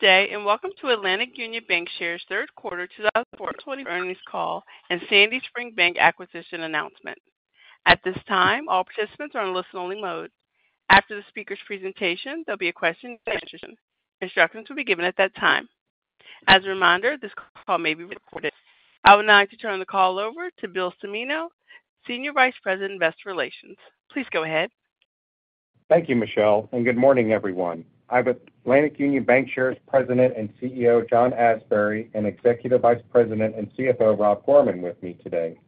Good day, and welcome to Atlantic Union Bankshares' third quarter 2024 earnings call and Sandy Spring Bank acquisition announcement. At this time, all participants are on a listen-only mode. After the speaker's presentation, there'll be a question and answer session. Instructions will be given at that time. As a reminder, this call may be recorded. I would now like to turn the call over to Bill Cimino, Senior Vice President, Investor Relations. Please go ahead. Thank you, Michelle, and good morning, everyone. I have Atlantic Union Bankshares President and CEO, John Asbury, and Executive Vice President and CFO, Rob Gorman, with me today.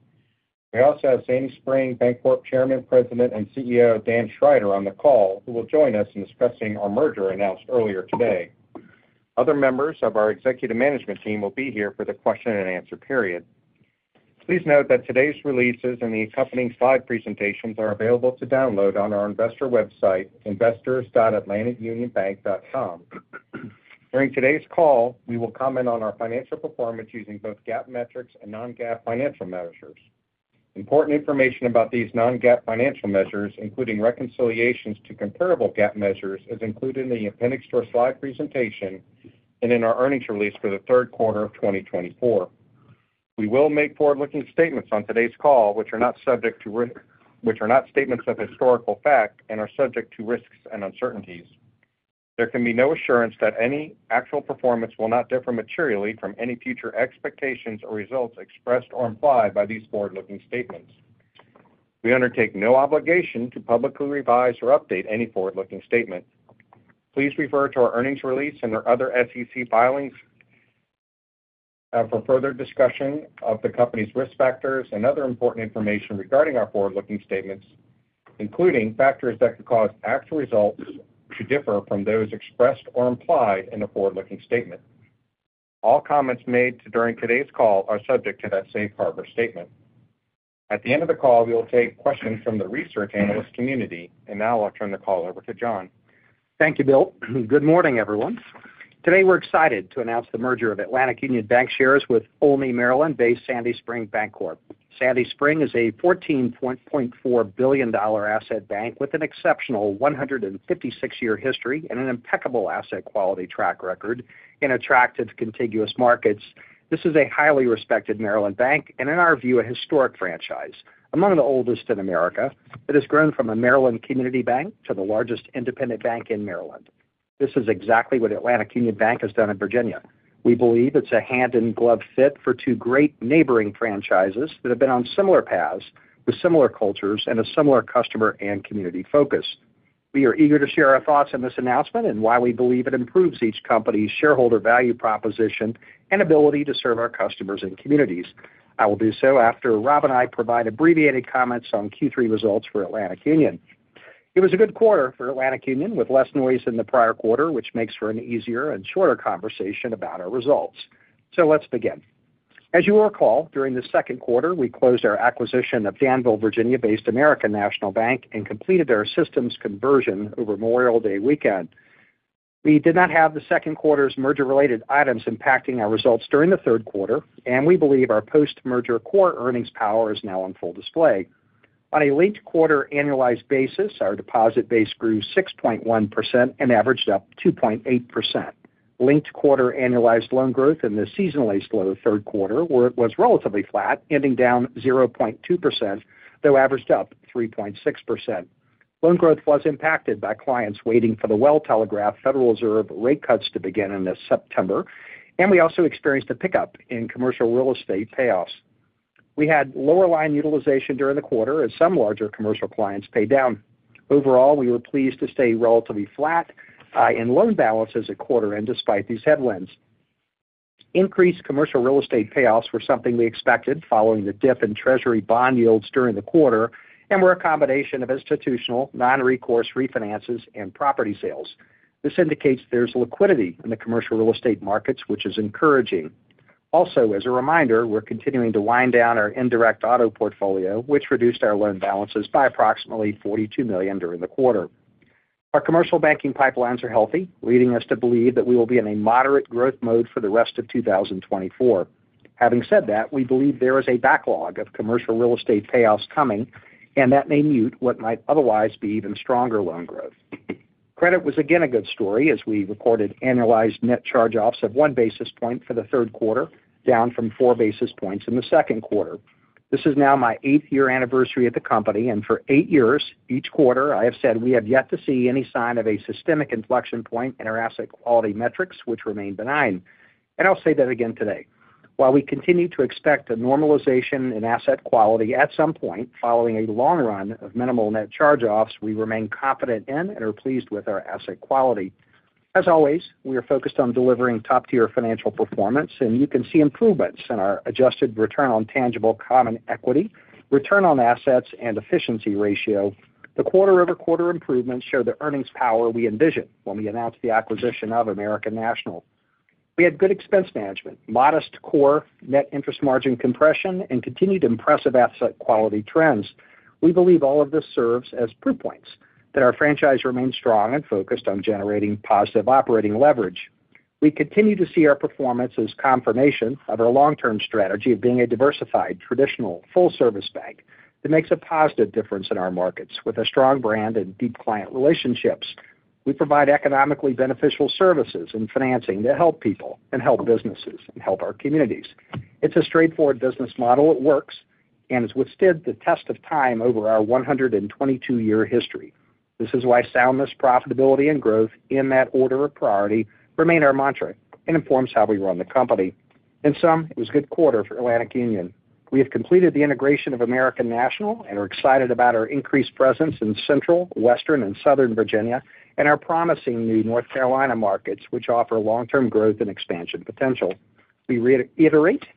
We also have Sandy Spring Bancorp Chairman, President, and CEO, Dan Schrider, on the call, who will join us in discussing our merger announced earlier today. Other members of our executive management team will be here for the question and answer period. Please note that today's releases and the accompanying slide presentations are available to download on our investor website, investors.atlanticunionbank.com. During today's call, we will comment on our financial performance using both GAAP metrics and non-GAAP financial measures. Important information about these non-GAAP financial measures, including reconciliations to comparable GAAP measures, is included in the appendix to our slide presentation and in our earnings release for the third quarter of 2024. We will make forward-looking statements on today's call, which are not statements of historical fact and are subject to risks and uncertainties. There can be no assurance that any actual performance will not differ materially from any future expectations or results expressed or implied by these forward-looking statements. We undertake no obligation to publicly revise or update any forward-looking statement. Please refer to our earnings release and our other SEC filings for further discussion of the company's risk factors and other important information regarding our forward-looking statements, including factors that could cause actual results to differ from those expressed or implied in a forward-looking statement. All comments made during today's call are subject to that safe harbor statement. At the end of the call, we will take questions from the research analyst community, and now I'll turn the call over to John. Thank you, Bill. Good morning, everyone. Today, we're excited to announce the merger of Atlantic Union Bankshares with Olney, Maryland-based Sandy Spring Bancorp. Sandy Spring is a $14.4 billion asset bank with an exceptional 156-year history and an impeccable asset quality track record in attractive contiguous markets. This is a highly respected Maryland bank and, in our view, a historic franchise. Among the oldest in America, it has grown from a Maryland community bank to the largest independent bank in Maryland. This is exactly what Atlantic Union Bank has done in Virginia. We believe it's a hand-in-glove fit for two great neighboring franchises that have been on similar paths, with similar cultures and a similar customer and community focus. We are eager to share our thoughts on this announcement and why we believe it improves each company's shareholder value proposition and ability to serve our customers and communities. I will do so after Rob and I provide abbreviated comments on Q3 results for Atlantic Union. It was a good quarter for Atlantic Union, with less noise than the prior quarter, which makes for an easier and shorter conversation about our results. So let's begin. As you will recall, during the second quarter, we closed our acquisition of Danville, Virginia-based American National Bank and completed our systems conversion over Memorial Day weekend. We did not have the second quarter's merger-related items impacting our results during the third quarter, and we believe our post-merger core earnings power is now on full display. On a linked-quarter annualized basis, our deposit base grew 6.1% and averaged up 2.8%. Linked-quarter annualized loan growth in the seasonally slow third quarter was relatively flat, ending down 0.2%, though averaged up 3.6%. Loan growth was impacted by clients waiting for the well-telegraphed Federal Reserve rate cuts to begin in this September, and we also experienced a pickup in commercial real estate payoffs. We had lower line utilization during the quarter as some larger commercial clients paid down. Overall, we were pleased to stay relatively flat in loan balances at quarter end despite these headwinds. Increased commercial real estate payoffs were something we expected following the dip in Treasury bond yields during the quarter and were a combination of institutional, non-recourse refinances, and property sales. This indicates there's liquidity in the commercial real estate markets, which is encouraging. Also, as a reminder, we're continuing to wind down our indirect auto portfolio, which reduced our loan balances by approximately $42 million during the quarter. Our commercial banking pipelines are healthy, leading us to believe that we will be in a moderate growth mode for the rest of 2024. Having said that, we believe there is a backlog of commercial real estate payoffs coming, and that may mute what might otherwise be even stronger loan growth. Credit was again a good story as we recorded annualized net charge-offs of one basis point for the third quarter, down from four basis points in the second quarter. This is now my eighth year anniversary at the company, and for eight years, each quarter, I have said we have yet to see any sign of a systemic inflection point in our asset quality metrics, which remain benign, and I'll say that again today. While we continue to expect a normalization in asset quality at some point following a long run of minimal net charge-offs, we remain confident in and are pleased with our asset quality. As always, we are focused on delivering top-tier financial performance, and you can see improvements in our adjusted return on tangible common equity, return on assets, and efficiency ratio. The quarter-over-quarter improvements show the earnings power we envisioned when we announced the acquisition of American National. We had good expense management, modest core net interest margin compression, and continued impressive asset quality trends. We believe all of this serves as proof points that our franchise remains strong and focused on generating positive operating leverage. We continue to see our performance as confirmation of our long-term strategy of being a diversified, traditional, full-service bank, that makes a positive difference in our markets. With a strong brand and deep client relationships, we provide economically beneficial services and financing to help people and help businesses and help our communities. It's a straightforward business model. It works, and it's withstood the test of time over our 122 year history. This is why soundness, profitability, and growth, in that order of priority, remain our mantra and informs how we run the company. In sum, it was a good quarter for Atlantic Union. We have completed the integration of American National and are excited about our increased presence in Central, Western, and Southern Virginia, and our promising new North Carolina markets, which offer long-term growth and expansion potential. We reiterate that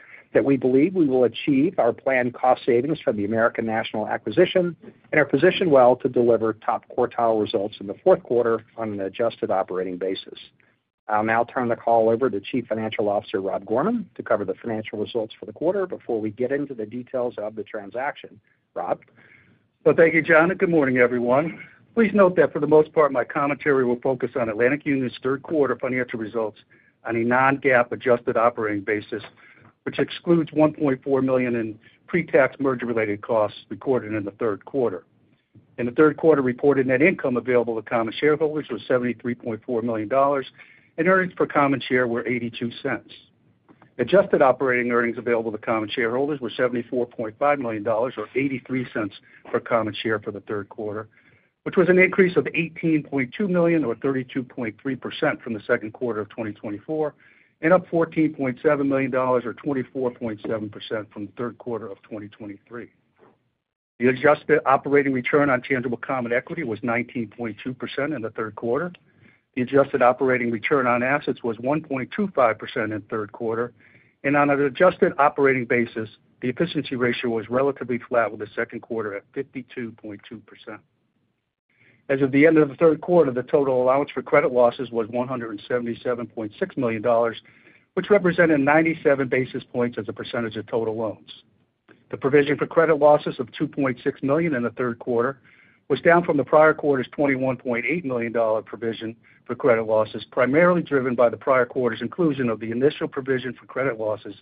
we believe we will achieve our planned cost savings from the American National acquisition and are positioned well to deliver top quartile results in the fourth quarter on an adjusted operating basis. I'll now turn the call over to Chief Financial Officer, Rob Gorman, to cover the financial results for the quarter before we get into the details of the transaction. Rob? Thank you, John, and good morning, everyone. Please note that for the most part, my commentary will focus on Atlantic Union's third quarter financial results on a non-GAAP adjusted operating basis, which excludes $1.4 million in pre-tax merger-related costs recorded in the third quarter. In the third quarter, reported net income available to common shareholders was $73.4 million, and earnings per common share were $0.82. Adjusted operating earnings available to common shareholders were $74.5 million, or $0.83 per common share for the third quarter, which was an increase of $18.2 million or 32.3% from the second quarter of 2024, and up $14.7 million or 24.7% from the third quarter of 2023. The adjusted operating return on tangible common equity was 19.2% in the third quarter. The adjusted operating return on assets was 1.25% in the third quarter, and on an adjusted operating basis, the efficiency ratio was relatively flat with the second quarter at 52.2%. As of the end of the third quarter, the total allowance for credit losses was $177.6 million, which represented 97 basis points as a percentage of total loans. The provision for credit losses of $2.6 million in the third quarter was down from the prior quarter's $21.8 million provision for credit losses, primarily driven by the prior quarter's inclusion of the initial provision for credit losses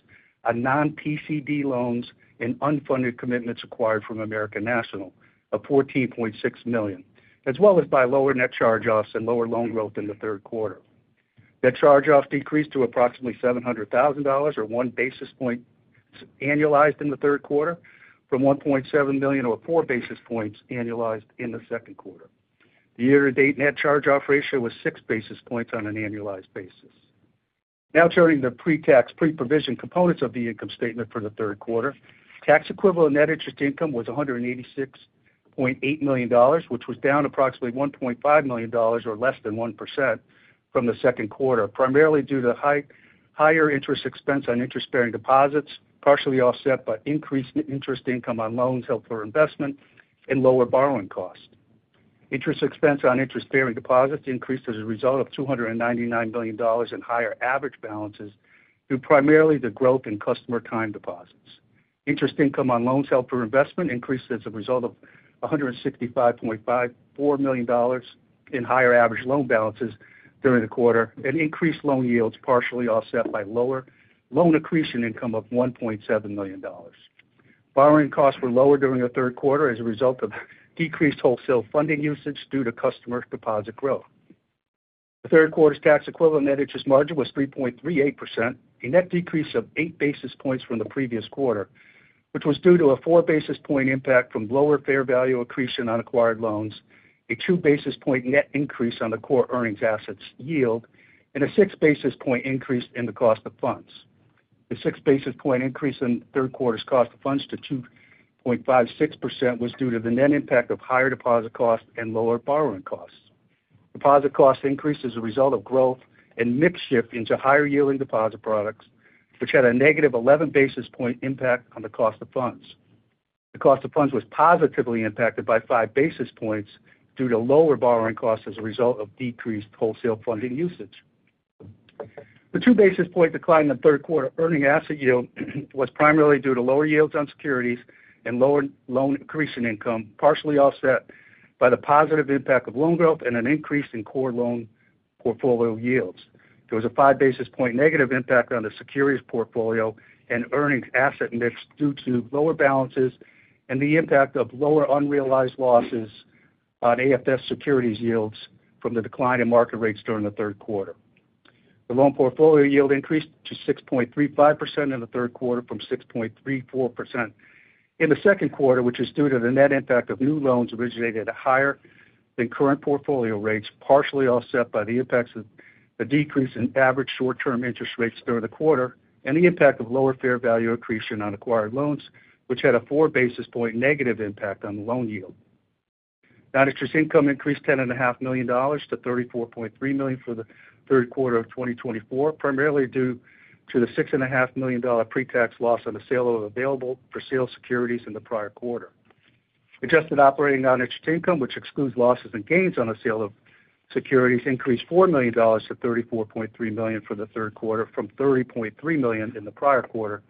on non-PCD loans and unfunded commitments acquired from American National of $14.6 million, as well as by lower net charge-offs and lower loan growth in the third quarter. Net charge-offs decreased to approximately $700,000, or one basis point annualized in the third quarter from $1.7 million or four basis points annualized in the second quarter. The year-to-date net charge-off ratio was six basis points on an annualized basis. Now turning to pre-tax, pre-provision components of the income statement for the third quarter. Tax-equivalent net interest income was $186.8 million, which was down approximately $1.5 million, or less than 1% from the second quarter, primarily due to higher interest expense on interest-bearing deposits, partially offset by increased interest income on loans held for investment and lower borrowing costs. Interest expense on interest-bearing deposits increased as a result of $299 million in higher average balances through primarily the growth in customer time deposits. Interest income on loans held for investment increased as a result of $165.54 million in higher average loan balances during the quarter, and increased loan yields partially offset by lower loan accretion income of $1.7 million. Borrowing costs were lower during the third quarter as a result of decreased wholesale funding usage due to customer deposit growth. The third quarter's tax equivalent net interest margin was 3.38%, a net decrease of eight basis points from the previous quarter, which was due to a four basis point impact from lower fair value accretion on acquired loans, a two basis point net increase on the core earnings assets yield, and a six basis point increase in the cost of funds. The six basis point increase in the third quarter's cost of funds to 2.56% was due to the net impact of higher deposit costs and lower borrowing costs. Deposit costs increased as a result of growth and mix shift into higher-yielding deposit products, which had a negative eleven basis point impact on the cost of funds. The cost of funds was positively impacted by five basis points due to lower borrowing costs as a result of decreased wholesale funding usage. The two basis points decline in the third quarter earning asset yield was primarily due to lower yields on securities and lower loan interest income, partially offset by the positive impact of loan growth and an increase in core loan portfolio yields. There was a five basis points negative impact on the securities portfolio and earning asset mix due to lower balances and the impact of lower unrealized losses on AFS securities yields from the decline in market rates during the third quarter. The loan portfolio yield increased to 6.35% in the third quarter from 6.34% in the second quarter, which is due to the net impact of new loans originated at higher than current portfolio rates, partially offset by the impacts of the decrease in average short-term interest rates during the quarter and the impact of lower fair value accretion on acquired loans, which had a four basis points negative impact on the loan yield. Non-interest income increased $10.5 million to $34.3 million for the third quarter of 2024, primarily due to the $6.5 million pre-tax loss on the sale of available for sale securities in the prior quarter. Adjusted operating non-interest income, which excludes losses and gains on the sale of securities, increased $4 million to $34.3 million for the third quarter from $30.3 million in the prior quarter,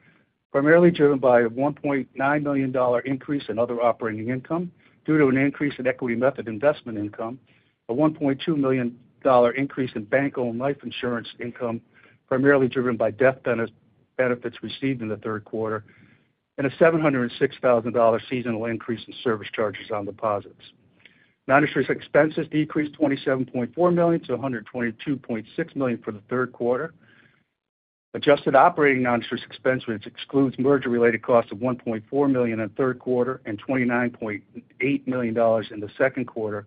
primarily driven by a $1.9 million dollar increase in other operating income due to an increase in equity method investment income, a $1.2 million dollar increase in bank-owned life insurance income, primarily driven by death benefits received in the third quarter, and a seven hundred and six thousand dollar seasonal increase in service charges on deposits. Non-interest expenses decreased $27.4 million to $122.6 million for the third quarter. Adjusted operating non-interest expense, which excludes merger-related costs of $1.4 million in the third quarter and $29.8 million in the second quarter,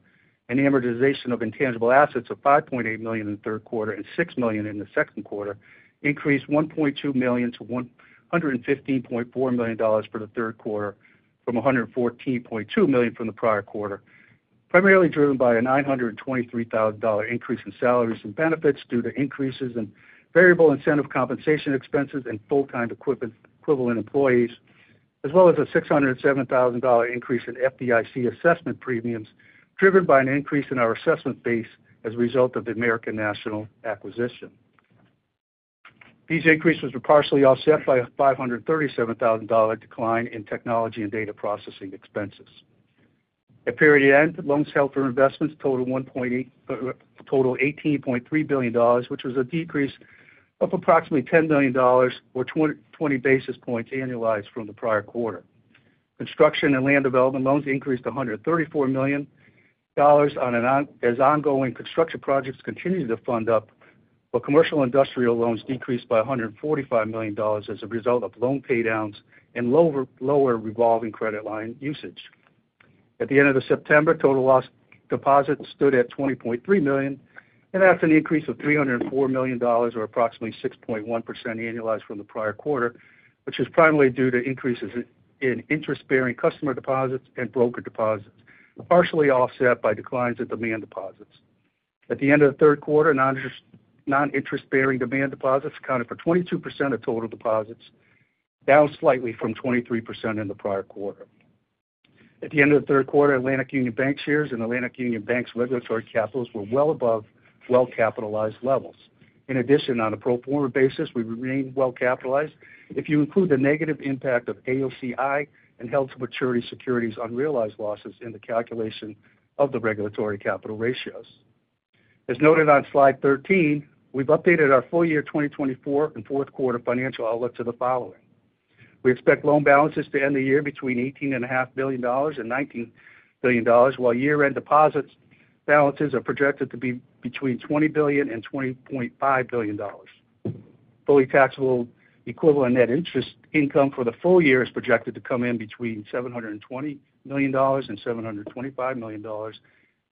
and amortization of intangible assets of $5.8 million in the third quarter and $6 million in the second quarter, increased $1.2 million to $115.4 million for the third quarter from $114.2 million from the prior quarter, primarily driven by a $923,000 increase in salaries and benefits due to increases in variable incentive compensation expenses and full-time equivalent employees, as well as a $607,000 increase in FDIC assessment premiums, driven by an increase in our assessment base as a result of the American National acquisition. These increases were partially offset by a $537,000 decline in technology and data processing expenses. At period end, loans held for investment totaled $18.3 billion, which was a decrease of approximately $10 million or 20 basis points annualized from the prior quarter. Construction and land development loans increased to $134 million as ongoing construction projects continue to fund up, while commercial industrial loans decreased by $145 million as a result of loan paydowns and lower revolving credit line usage. At the end of the September, total deposits stood at $20.3 billion, and that's an increase of $304 million, or approximately 6.1% annualized from the prior quarter, which is primarily due to increases in interest-bearing customer deposits and brokered deposits, partially offset by declines in demand deposits. At the end of the third quarter, non-interest-bearing demand deposits accounted for 22% of total deposits, down slightly from 23% in the prior quarter. At the end of the third quarter, Atlantic Union Bankshares and Atlantic Union Bank's regulatory capital were well above well-capitalized levels. In addition, on a pro forma basis, we remained well capitalized if you include the negative impact of AOCI and held-to-maturity securities' unrealized losses in the calculation of the regulatory capital ratios. As noted on slide thirteen, we've updated our full year 2024 and fourth quarter financial outlook to the following: We expect loan balances to end the year between $18.5 billion and $19 billion, while year-end deposits balances are projected to be between $20 billion and $20.5 billion. Fully taxable equivalent net interest income for the full year is projected to come in between $720 million and $725 million,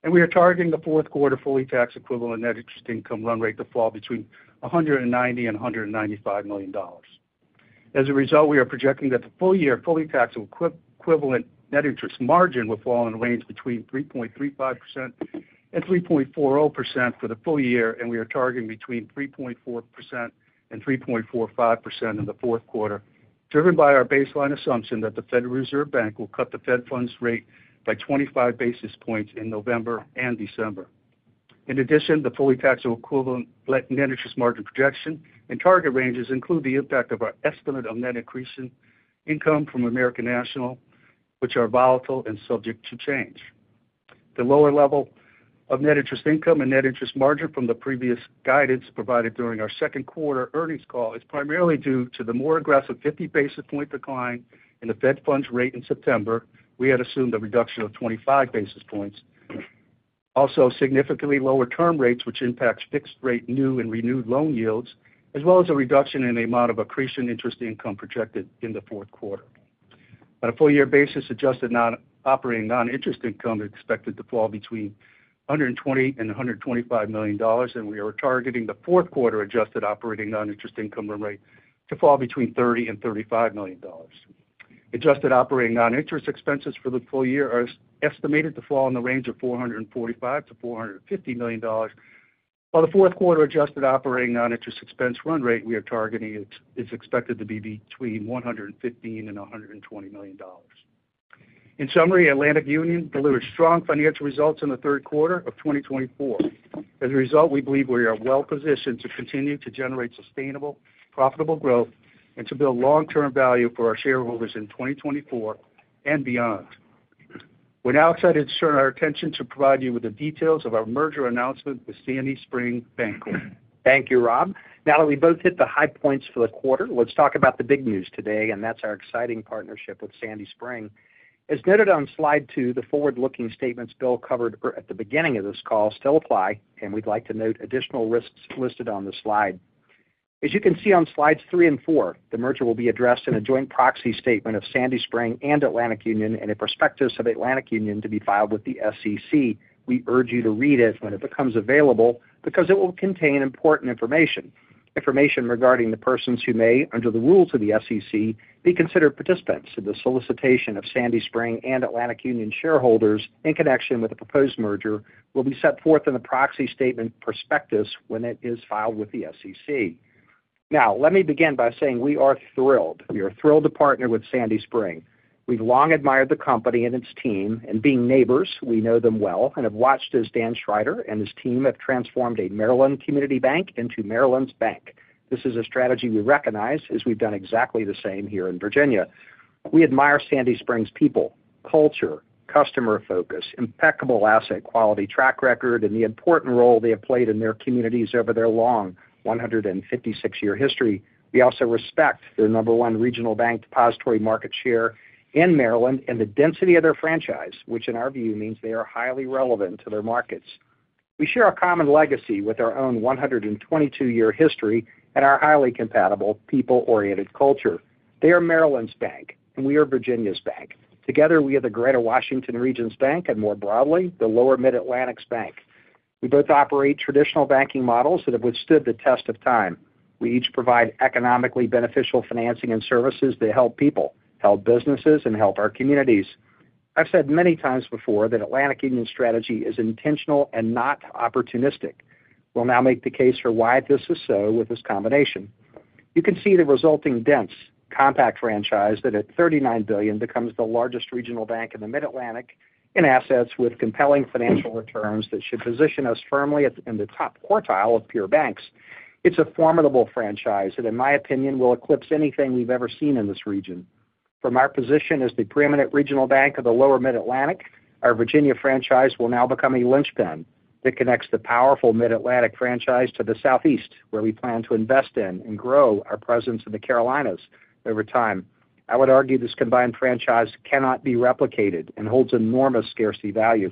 and we are targeting the fourth quarter fully tax-equivalent net interest income run rate to fall between $190 million and $195 million. As a result, we are projecting that the full year fully taxable equivalent net interest margin will fall in the range between 3.35% and 3.40% for the full year, and we are targeting between 3.4% and 3.45% in the fourth quarter, driven by our baseline assumption that the Federal Reserve Bank will cut the Fed funds rate by 25 basis points in November and December. In addition, the fully taxable equivalent net interest margin projection and target ranges include the impact of our estimate of net accretion income from American National, which are volatile and subject to change. The lower level of net interest income and net interest margin from the previous guidance provided during our second quarter earnings call is primarily due to the more aggressive 50 basis points decline in the Fed funds rate in September. We had assumed a reduction of 25 basis points. Also, significantly lower term rates, which impacts fixed rate, new and renewed loan yields, as well as a reduction in the amount of accretion interest income projected in the fourth quarter. On a full year basis, adjusted non-operating non-interest income is expected to fall between $120 million and $125 million, and we are targeting the fourth quarter adjusted operating non-interest income run rate to fall between $30 million and $35 million. Adjusted operating non-interest expenses for the full year are estimated to fall in the range of $445 million-$450 million, while the fourth quarter adjusted operating non-interest expense run rate we are targeting is expected to be between $115 million and $120 million. In summary, Atlantic Union delivered strong financial results in the third quarter of 2024. As a result, we believe we are well positioned to continue to generate sustainable, profitable growth and to build long-term value for our shareholders in 2024 and beyond. We're now excited to turn our attention to provide you with the details of our merger announcement with Sandy Spring Bancorp. Thank you, Rob. Now that we've both hit the high points for the quarter, let's talk about the big news today, and that's our exciting partnership with Sandy Spring. As noted on slide two, the forward-looking statements Bill covered at the beginning of this call still apply, and we'd like to note additional risks listed on the slide. As you can see on slides three and four, the merger will be addressed in a joint proxy statement of Sandy Spring and Atlantic Union and a prospectus of Atlantic Union to be filed with the SEC. We urge you to read it when it becomes available because it will contain important information. Information regarding the persons who may, under the rules of the SEC, be considered participants in the solicitation of Sandy Spring and Atlantic Union shareholders in connection with the proposed merger will be set forth in the proxy statement prospectus when it is filed with the SEC. Now, let me begin by saying we are thrilled. We are thrilled to partner with Sandy Spring. We've long admired the company and its team, and being neighbors, we know them well and have watched as Dan Schrider and his team have transformed a Maryland community bank into Maryland's bank. This is a strategy we recognize, as we've done exactly the same here in Virginia. We admire Sandy Spring's people, culture, customer focus, impeccable asset quality track record, and the important role they have played in their communities over their long one hundred and fifty-six year history. We also respect their number one regional bank depository market share in Maryland and the density of their franchise, which in our view, means they are highly relevant to their markets. We share a common legacy with our own 122 year history and our highly compatible people-oriented culture. They are Maryland's bank, and we are Virginia's bank. Together, we are the Greater Washington Region's bank, and more broadly, the Lower Mid-Atlantic's bank. We both operate traditional banking models that have withstood the test of time. We each provide economically beneficial financing and services to help people, help businesses, and help our communities. I've said many before that Atlantic Union's strategy is intentional and not opportunistic. We'll now make the case for why this is so with this combination. You can see the resulting dense, compact franchise that, at $39 billion, becomes the largest regional bank in the Mid-Atlantic in assets with compelling financial returns that should position us firmly at, in the top quartile of peer banks. It's a formidable franchise that, in my opinion, will eclipse anything we've ever seen in this region. From our position as the preeminent regional bank of the Lower Mid-Atlantic, our Virginia franchise will now become a linchpin that connects the powerful Mid-Atlantic franchise to the Southeast, where we plan to invest in and grow our presence in the Carolinas over time. I would argue this combined franchise cannot be replicated and holds enormous scarcity value.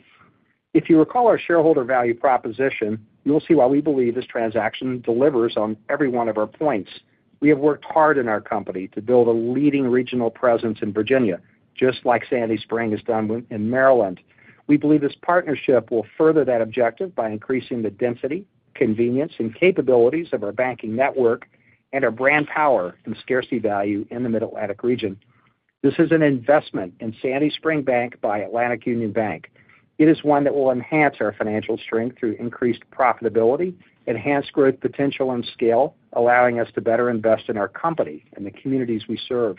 If you recall our shareholder value proposition, you'll see why we believe this transaction delivers on every one of our points. We have worked hard in our company to build a leading regional presence in Virginia, just like Sandy Spring has done in Maryland. We believe this partnership will further that objective by increasing the density, convenience, and capabilities of our banking network and our brand power and scarcity value in the Mid-Atlantic region. This is an investment in Sandy Spring Bank by Atlantic Union Bank. It is one that will enhance our financial strength through increased profitability, enhanced growth, potential and scale, allowing us to better invest in our company and the communities we serve.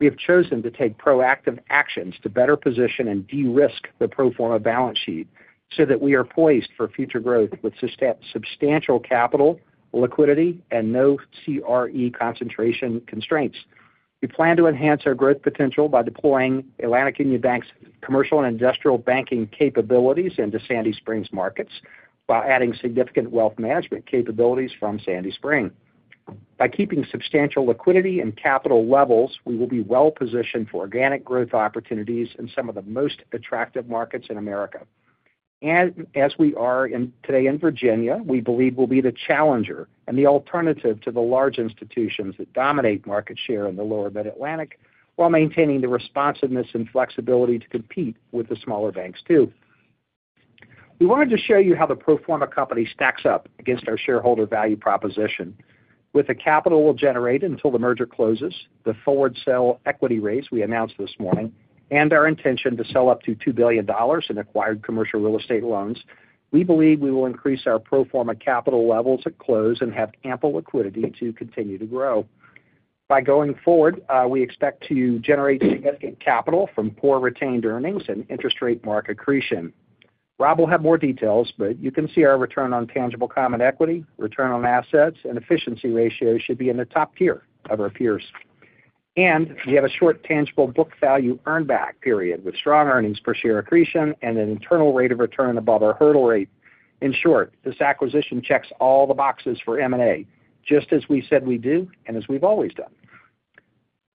We have chosen to take proactive actions to better position and de-risk the pro forma balance sheet so that we are poised for future growth with substantial capital, liquidity, and no CRE concentration constraints. We plan to enhance our growth potential by deploying Atlantic Union Bank's commercial and industrial banking capabilities into Sandy Spring's markets, while adding significant wealth management capabilities from Sandy Spring. By keeping substantial liquidity and capital levels, we will be well positioned for organic growth opportunities in some of the most attractive markets in America. And as we are today in Virginia, we believe we'll be the challenger and the alternative to the large institutions that dominate market share in the Lower Mid-Atlantic, while maintaining the responsiveness and flexibility to compete with the smaller banks, too. We wanted to show you how the pro forma company stacks up against our shareholder value proposition. With the capital we'll generate until the merger closes, the forward sale equity raise we announced this morning, and our intention to sell up to $2 billion in acquired commercial real estate loans, we believe we will increase our pro forma capital levels at close and have ample liquidity to continue to grow. Going forward, we expect to generate significant capital from core retained earnings and interest rate mark accretion. Rob will have more details, but you can see our return on tangible common equity, return on assets, and efficiency ratios should be in the top tier of our peers. And we have a short tangible book value earn back period, with strong earnings per share accretion and an internal rate of return above our hurdle rate. In short, this acquisition checks all the boxes for M&A, just as we said we'd do and as we've always done.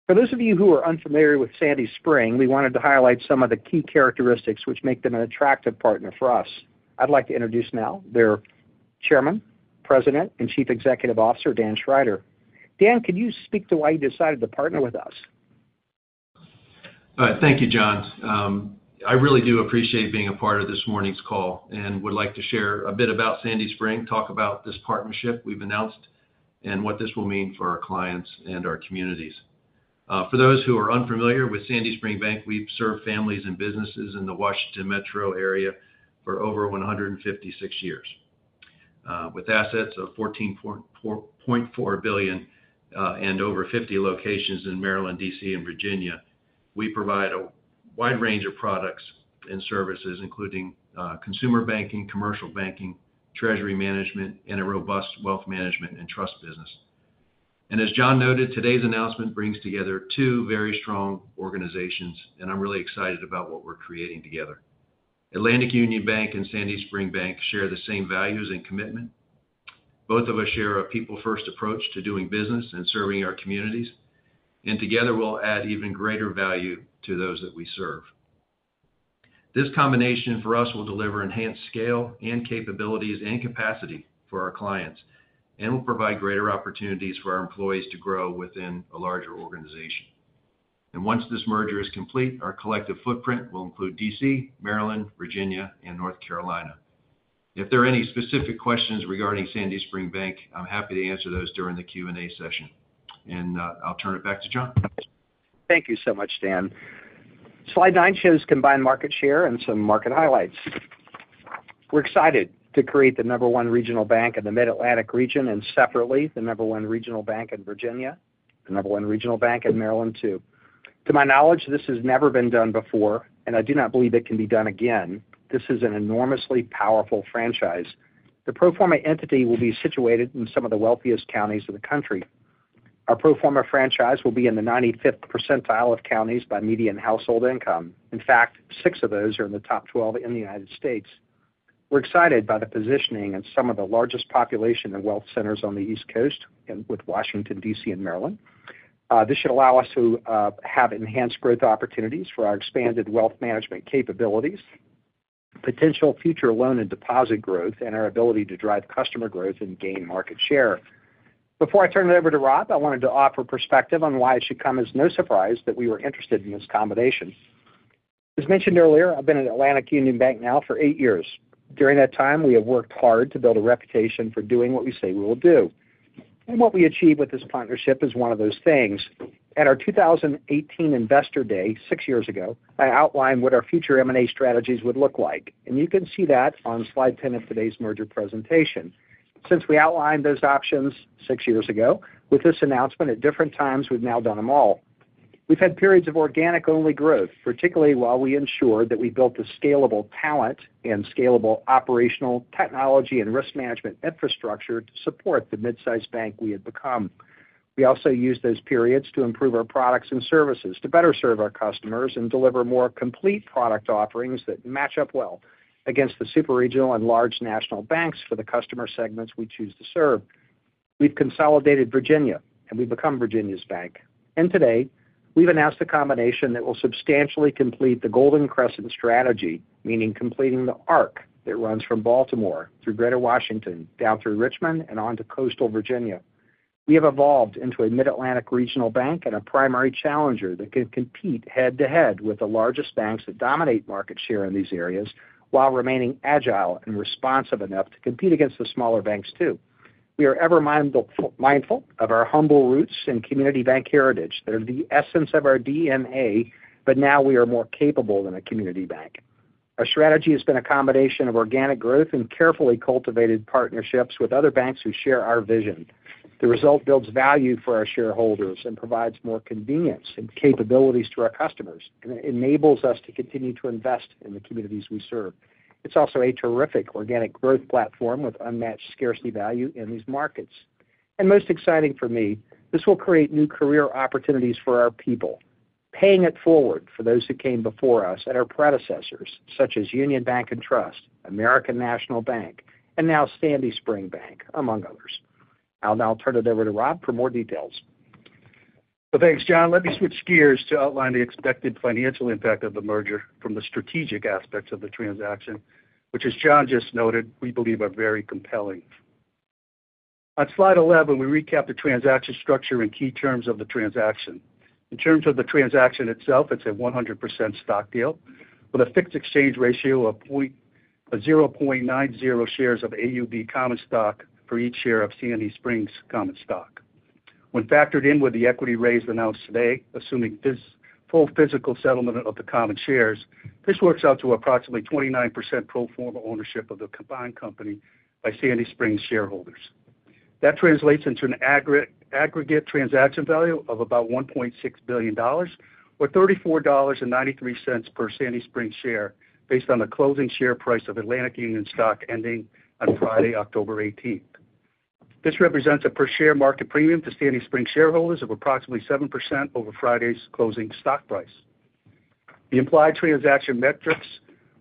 For those of you who are unfamiliar with Sandy Spring, we wanted to highlight some of the key characteristics which make them an attractive partner for us. I'd like to introduce now their chairman, president, and chief executive officer, Dan Schrider. Dan, could you speak to why you decided to partner with us? Thank you, John. I really do appreciate being a part of this morning's call and would like to share a bit about Sandy Spring, talk about this partnership we've announced, and what this will mean for our clients and our communities. For those who are unfamiliar with Sandy Spring Bank, we've served families and businesses in the Washington metro area for over one hundred and fifty-six years. With assets of $14.4 billion and over 50 locations in Maryland, D.C., and Virginia, we provide a wide range of products and services, including consumer banking, commercial banking, treasury management, and a robust wealth management and trust business. As John noted, today's announcement brings together two very strong organizations, and I'm really excited about what we're creating together. Atlantic Union Bank and Sandy Spring Bank share the same values and commitment. Both of us share a people-first approach to doing business and serving our communities, and together, we'll add even greater value to those that we serve. This combination, for us, will deliver enhanced scale and capabilities and capacity for our clients and will provide greater opportunities for our employees to grow within a larger organization. And once this merger is complete, our collective footprint will include DC, Maryland, Virginia, and North Carolina. If there are any specific questions regarding Sandy Spring Bank, I'm happy to answer those during the Q&A session. And, I'll turn it back to John. Thank you so much, Dan. Slide nine shows combined market share and some market highlights. We're excited to create the number one regional bank in the Mid-Atlantic region, and separately, the number one regional bank in Virginia, the number one regional bank in Maryland, too. To my knowledge, this has never been done before, and I do not believe it can be done again. This is an enormously powerful franchise. The pro forma entity will be situated in some of the wealthiest counties in the country. Our pro forma franchise will be in the ninety-fifth percentile of counties by median household income. In fact, six of those are in the top twelve in the United States. We're excited by the positioning in some of the largest population and wealth centers on the East Coast, and with Washington, D.C., and Maryland.... This should allow us to have enhanced growth opportunities for our expanded wealth management capabilities, potential future loan and deposit growth, and our ability to drive customer growth and gain market share. Before I turn it over to Rob, I wanted to offer perspective on why it should come as no surprise that we were interested in this combination. As mentioned earlier, I've been at Atlantic Union Bank now for eight years. During that time, we have worked hard to build a reputation for doing what we say we will do. And what we achieve with this partnership is one of those things. At our 2018 Investor Day, six years ago, I outlined what our future M&A strategies would look like, and you can see that on slide 10 of today's merger presentation. Since we outlined those options six years ago, with this announcement, at different times, we've now done them all. We've had periods of organic-only growth, particularly while we ensured that we built the scalable talent and scalable operational technology and risk management infrastructure to support the mid-sized bank we had become. We also used those periods to improve our products and services, to better serve our customers and deliver more complete product offerings that match up well against the super regional and large national banks for the customer segments we choose to serve. We've consolidated Virginia, and we've become Virginia's bank. And today, we've announced a combination that will substantially complete the Golden Crescent strategy, meaning completing the arc that runs from Baltimore through Greater Washington, down through Richmond and onto Coastal Virginia. We have evolved into a Mid-Atlantic regional bank and a primary challenger that can compete head-to-head with the largest banks that dominate market share in these areas, while remaining agile and responsive enough to compete against the smaller banks, too. We are ever mindful of our humble roots and community bank heritage that are the essence of our DNA, but now we are more capable than a community bank. Our strategy has been a combination of organic growth and carefully cultivated partnerships with other banks who share our vision. The result builds value for our shareholders and provides more convenience and capabilities to our customers, and it enables us to continue to invest in the communities we serve. It's also a terrific organic growth platform with unmatched scarcity value in these markets. Most exciting for me, this will create new career opportunities for our people, paying it forward for those who came before us and our predecessors, such as Union Bank and Trust, American National Bank, and now Sandy Spring Bank, among others. I'll now turn it over to Rob for more details. Thanks, John. Let me switch gears to outline the expected financial impact of the merger from the strategic aspects of the transaction, which as John just noted, we believe are very compelling. On slide 11, we recap the transaction structure and key terms of the transaction. In terms of the transaction itself, it's a 100% stock deal with a fixed exchange ratio of 0.90 shares of AUB common stock for each share of Sandy Spring's common stock. When factored in with the equity raise announced today, assuming full physical settlement of the common shares, this works out to approximately 29% pro forma ownership of the removed company by Sandy Spring shareholders. That translates into an aggregate transaction value of about $1.6 billion, or $34.93 per Sandy Spring share, based on the closing share price of Atlantic Union stock ending on Friday, October 18. This represents a per share market premium to Sandy Spring shareholders of approximately 7% over Friday's closing stock price. The implied transaction metrics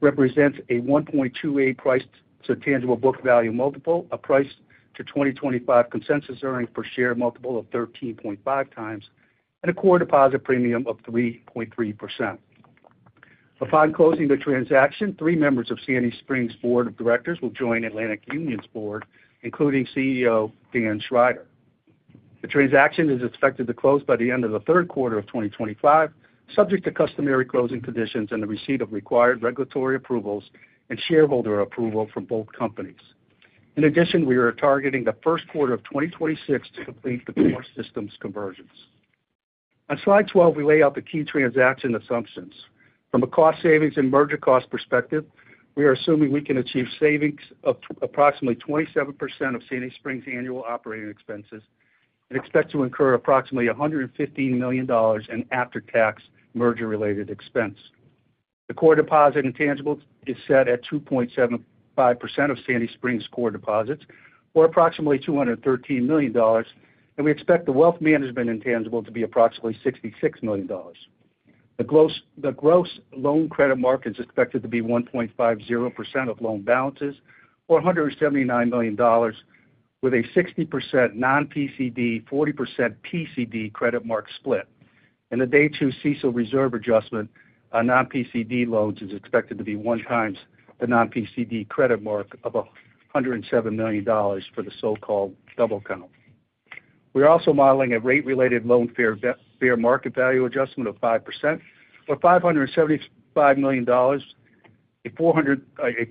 represents a 1.28 price to tangible book value multiple, a price to 2025 consensus earnings per share multiple of 13.5x, and a core deposit premium of 3.3%. Upon closing the transaction, three members of Sandy Spring's Board of Directors will join Atlantic Union's board, including CEO Dan Schrider. The transaction is expected to close by the end of the third quarter of 2025, subject to customary closing conditions and the receipt of required regulatory approvals and shareholder approval from both companies. In addition, we are targeting the first quarter of 2026 to complete the core systems conversions. On slide 12, we lay out the key transaction assumptions. From a cost savings and merger cost perspective, we are assuming we can achieve savings of approximately 27% of Sandy Spring's annual operating expenses and expect to incur approximately $115 million in after-tax merger-related expense. The core deposit intangible is set at 2.75% of Sandy Spring's core deposits, or approximately $213 million, and we expect the wealth management intangible to be approximately $66 million. The gross loan credit mark is expected to be 1.50% of loan balances, or $179 million, with a 60% non-PCD, 40% PCD credit mark split. In the day two CECL reserve adjustment, our non-PCD loans is expected to be one times the non-PCD credit mark of $107 million for the so-called double count. We're also modeling a rate-related loan fair market value adjustment of 5%, or $575 million, a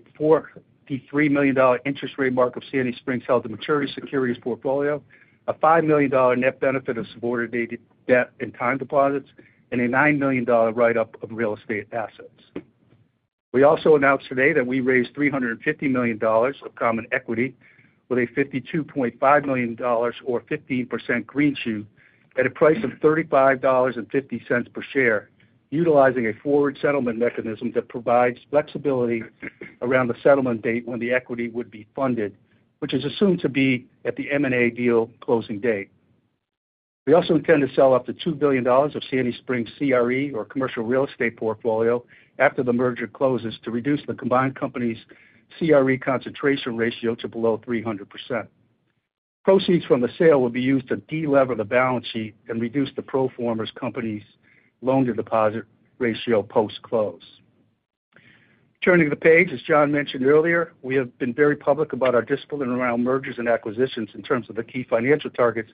$43 million interest rate mark of Sandy Spring's held-to-maturity securities portfolio, a $5 million net benefit of subordinated debt and time deposits, and a $9 million write-up of real estate assets. We also announced today that we raised $350 million of common equity with a $52.5 million or 15% greenshoe at a price of $35.50 per share, utilizing a forward settlement mechanism that provides flexibility around the settlement date when the equity would be funded, which is assumed to be at the M&A deal closing date. We also intend to sell up to $2 billion of Sandy Spring's CRE, or commercial real estate portfolio, after the merger closes to reduce the combined company's CRE concentration ratio to below 300%. Proceeds from the sale will be used to delever the balance sheet and reduce the pro forma company's loan-to-deposit ratio post-close. Turning the page, as John mentioned earlier, we have been very public about our discipline around mergers and acquisitions in terms of the key financial targets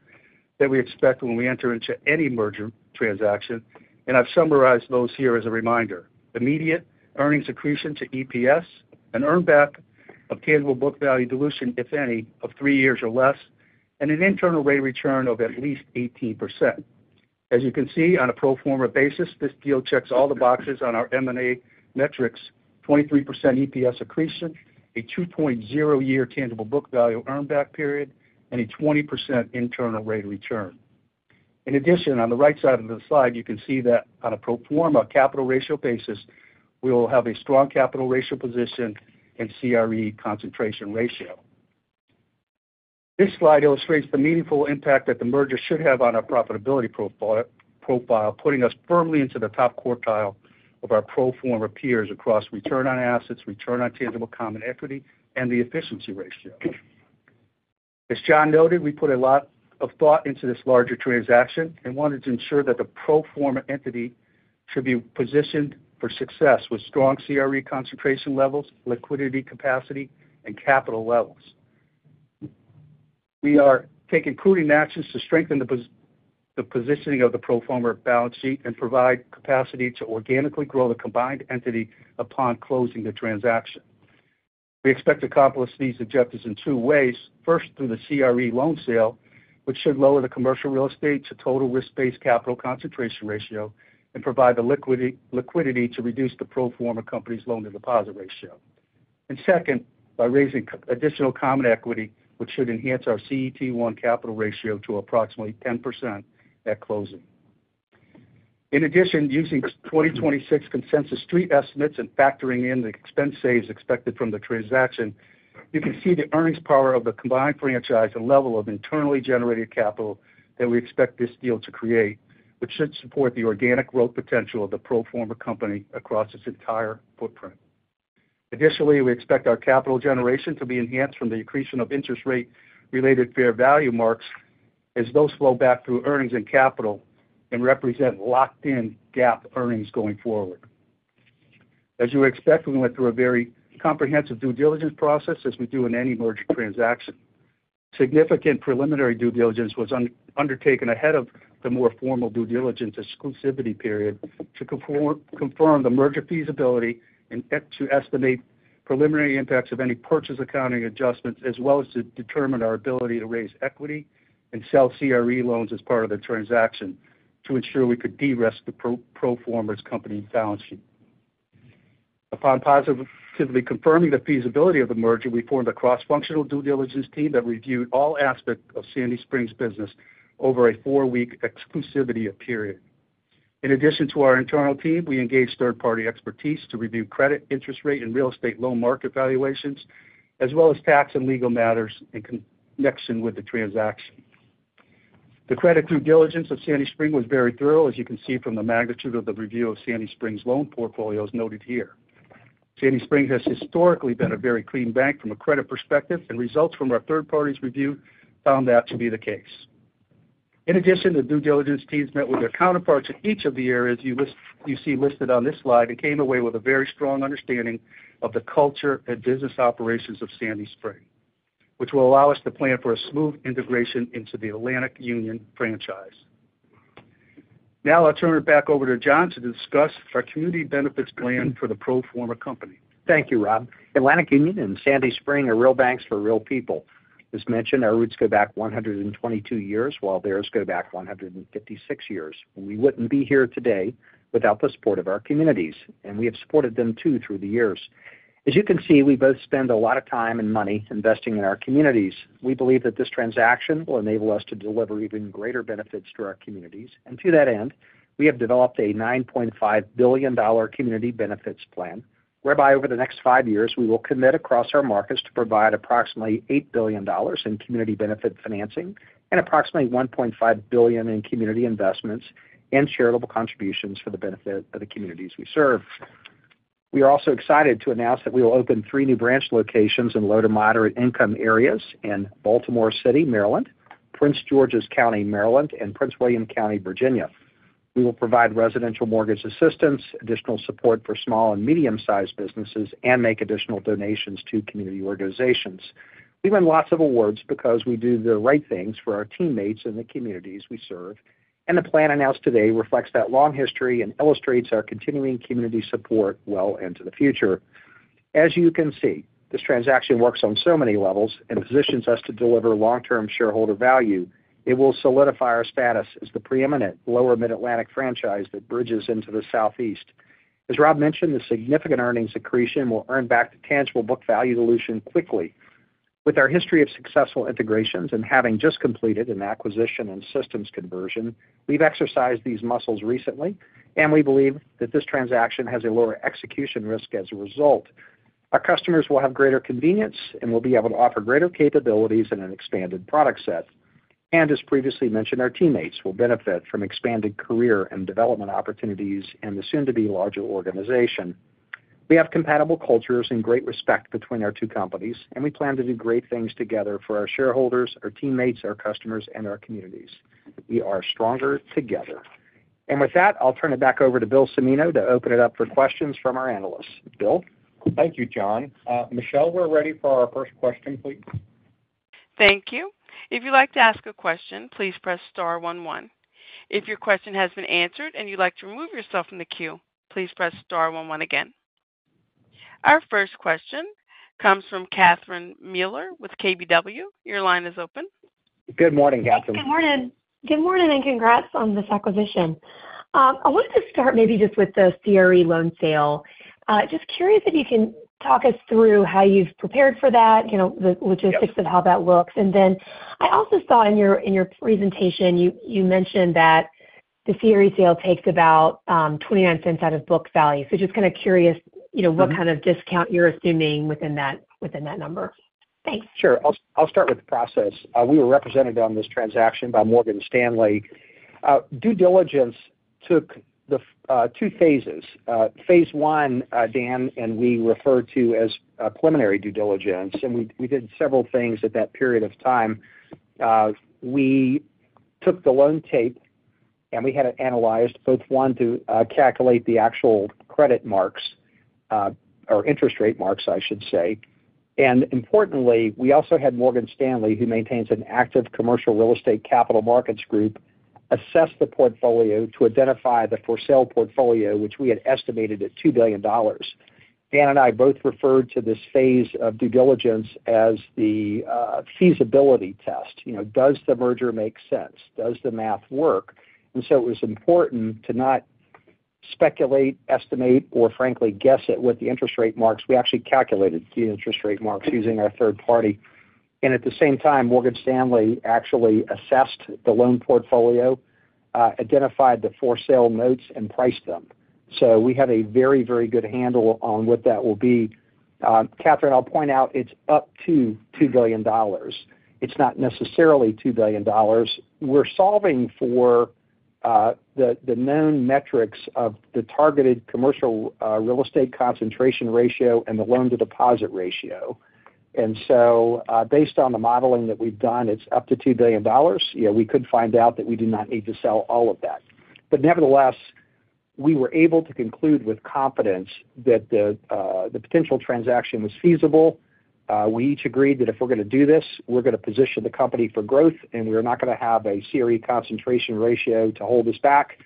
that we expect when we enter into any merger transaction, and I've summarized those here as a reminder. Immediate earnings accretion to EPS, an earn back of tangible book value dilution, if any, of three years or less, and an internal rate of return of at least 18%. As you can see, on a pro forma basis, this deal checks all the boxes on our M&A metrics, 23% EPS accretion, a 2.0 year tangible book value earn back period, and a 20% internal rate of return. In addition, on the right side of the slide, you can see that on a pro forma capital ratio basis, we will have a strong capital ratio position and CRE concentration ratio. This slide illustrates the meaningful impact that the merger should have on our profitability profile, putting us firmly into the top quartile of our pro forma peers across return on assets, return on tangible common equity, and the efficiency ratio. As John noted, we put a lot of thought into this larger transaction and wanted to ensure that the pro forma entity should be positioned for success with strong CRE concentration levels, liquidity capacity, and capital levels. We are taking prudent actions to strengthen the positioning of the pro forma balance sheet and provide capacity to organically grow the combined entity upon closing the transaction. We expect to accomplish these objectives in two ways. First, through the CRE loan sale, which should lower the commercial real estate to total risk-based capital concentration ratio and provide the liquidity to reduce the pro forma company's loan-to-deposit ratio. Second, by raising additional common equity, which should enhance our CET1 capital ratio to approximately 10% at closing. In addition, using 2026 consensus street estimates and factoring in the expense savings expected from the transaction, you can see the earnings power of the combined franchise and level of internally generated capital that we expect this deal to create, which should support the organic growth potential of the pro forma company across its entire footprint. Additionally, we expect our capital generation to be enhanced from the accretion of interest rate-related fair value marks as those flow back through earnings and capital and represent locked-in GAAP earnings going forward. As you expect, we went through a very comprehensive due diligence process as we do in any merger transaction. Significant preliminary due diligence was undertaken ahead of the more formal due diligence exclusivity period to confirm the merger feasibility and to estimate preliminary impacts of any purchase accounting adjustments, as well as to determine our ability to raise equity and sell CRE loans as part of the transaction to ensure we could de-risk the pro forma's company balance sheet. Upon positively confirming the feasibility of the merger, we formed a cross-functional due diligence team that reviewed all aspects of Sandy Spring's business over a four-week exclusivity period. In addition to our internal team, we engaged third-party expertise to review credit, interest rate, and real estate loan market valuations, as well as tax and legal matters in connection with the transaction. The credit due diligence of Sandy Spring was very thorough, as you can see from the magnitude of the review of Sandy Spring's loan portfolios noted here. Sandy Spring has historically been a very clean bank from a credit perspective, and results from our third party's review found that to be the case. In addition, the due diligence teams met with their counterparts in each of the areas you list, you see listed on this slide and came away with a very strong understanding of the culture and business operations of Sandy Spring, which will allow us to plan for a smooth integration into the Atlantic Union franchise. Now I'll turn it back over to John to discuss our community benefits plan for the pro forma company. Thank you, Rob. Atlantic Union and Sandy Spring are real banks for real people. As mentioned, our roots go back 122 years, while theirs go back 156 years. We wouldn't be here today without the support of our communities, and we have supported them, too, through the years. As you can see, we both spend a lot of time and money investing in our communities. We believe that this transaction will enable us to deliver even greater benefits to our communities. And to that end, we have developed a $9.5 billion community benefits plan, whereby over the next five years, we will commit across our markets to provide approximately $8 billion in community benefit financing and approximately $1.5 billion in community investments and charitable contributions for the benefit of the communities we serve. We are also excited to announce that we will open three new branch locations in low- to moderate-income areas in Baltimore City, Maryland, Prince George's County, Maryland, and Prince William County, Virginia. We will provide residential mortgage assistance, additional support for small and medium-sized businesses, and make additional donations to community organizations. We win lots of awards because we do the right things for our teammates and the communities we serve, and the plan announced today reflects that long history and illustrates our continuing community support well into the future. As you can see, this transaction works on so many levels and positions us to deliver long-term shareholder value. It will solidify our status as the preeminent Lower Mid-Atlantic franchise that bridges into the Southeast. As Rob mentioned, the significant earnings accretion will earn back the tangible book value dilution quickly. With our history of successful integrations and having just completed an acquisition and systems conversion, we've exercised these muscles recently, and we believe that this transaction has a lower execution risk as a result. Our customers will have greater convenience, and we'll be able to offer greater capabilities and an expanded product set. And as previously mentioned, our teammates will benefit from expanded career and development opportunities in the soon-to-be larger organization. We have compatible cultures and great respect between our two companies, and we plan to do great things together for our shareholders, our teammates, our customers, and our communities. We are stronger together. And with that, I'll turn it back over to Bill Cimino to open it up for questions from our analysts. Bill? Thank you, John. Michelle, we're ready for our first question, please. Thank you. If you'd like to ask a question, please press star one one. If your question has been answered and you'd like to remove yourself from the queue, please press star one one again. Our first question comes from Catherine Mealor with KBW. Your line is open. Good morning, Catherine. Good morning. Good morning, and congrats on this acquisition. I wanted to start maybe just with the CRE loan sale. Just curious if you can talk us through how you've prepared for that, you know, the logistics of how that looks. And then I also saw in your presentation, you mentioned that the CRE sale takes about $0.29 out of book value. So just kind of curious, you know, what kind of discount you're assuming within that, within that number. Thanks. Sure. I'll start with the process. We were represented on this transaction by Morgan Stanley. Due diligence took two phases. Phase one, Dan and we refer to as preliminary due diligence, and we did several things at that period of time. We took the loan tape, and we had it analyzed, both, one, to calculate the actual credit marks, or interest rate marks, I should say. And importantly, we also had Morgan Stanley, who maintains an active commercial real estate capital markets group, assess the portfolio to identify the for sale portfolio, which we had estimated at $2 billion. Dan and I both referred to this phase of due diligence as the feasibility test. You know, does the merger make sense? Does the math work? And so it was important to not speculate, estimate, or frankly, guess at what the interest rate marks. We actually calculated the interest rate marks using our third party. And at the same time, Morgan Stanley actually assessed the loan portfolio, identified the for sale notes, and priced them. So we have a very, very good handle on what that will be. Catherine, I'll point out it's up to $2 billion. It's not necessarily $2 billion. We're solving for the known metrics of the targeted commercial real estate concentration ratio and the loan-to-deposit ratio. And so based on the modeling that we've done, it's up to $2 billion. You know, we could find out that we do not need to sell all of that. But nevertheless, we were able to conclude with confidence that the potential transaction was feasible. We each agreed that if we're gonna do this, we're gonna position the company for growth, and we are not gonna have a CRE concentration ratio to hold us back,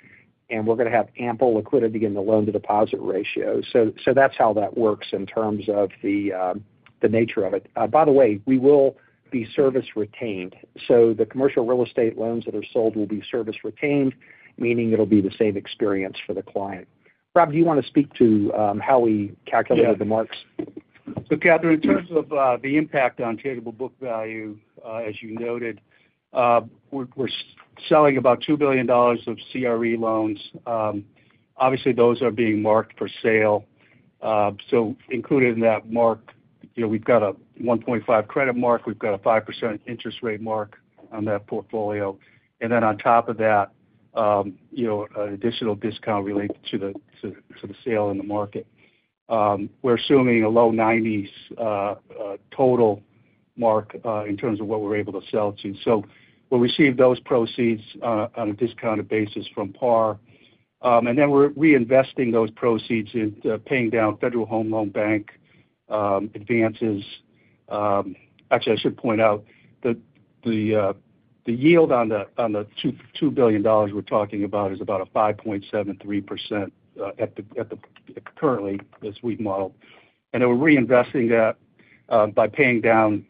and we're gonna have ample liquidity in the loan-to-deposit ratio. So, so that's how that works in terms of the, the nature of it. By the way, we will be servicing retained. So the commercial real estate loans that are sold will be servicing retained, meaning it'll be the same experience for the client. Rob, do you want to speak to, how we calculated the marks? Catherine, in terms of the impact on tangible book value, as you noted, we're selling about $2 billion of CRE loans. Obviously, those are being marked for sale. So including that mark, you know, we've got a 1.5 credit mark. We've got a 5% interest rate mark on that portfolio. And then on top of that, you know, an additional discount related to the sale in the market. We're assuming a low 90s total mark in terms of what we're able to sell to. So we'll receive those proceeds on a discounted basis from par. And then we're reinvesting those proceeds into paying down Federal Home Loan Bank advances. Actually, I should point out that the yield on the $2 billion we're talking about is about 5.73%, currently, as we've modeled. Then we're reinvesting that by paying down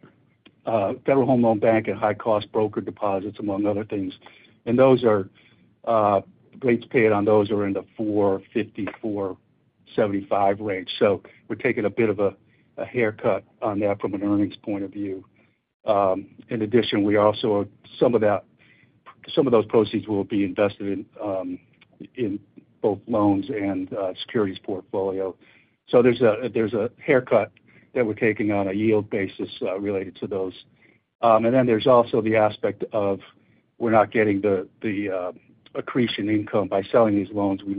Federal Home Loan Bank and high-cost brokered deposits, among other things. And those rates paid on those are in the 4.50-4.75 range. So we're taking a bit of a haircut on that from an earnings point of view. In addition, some of that, some of those proceeds will be invested in both loans and securities portfolio. So there's a haircut that we're taking on a yield basis, related to those. And then there's also the aspect of we're not getting the accretion income. By selling these loans, we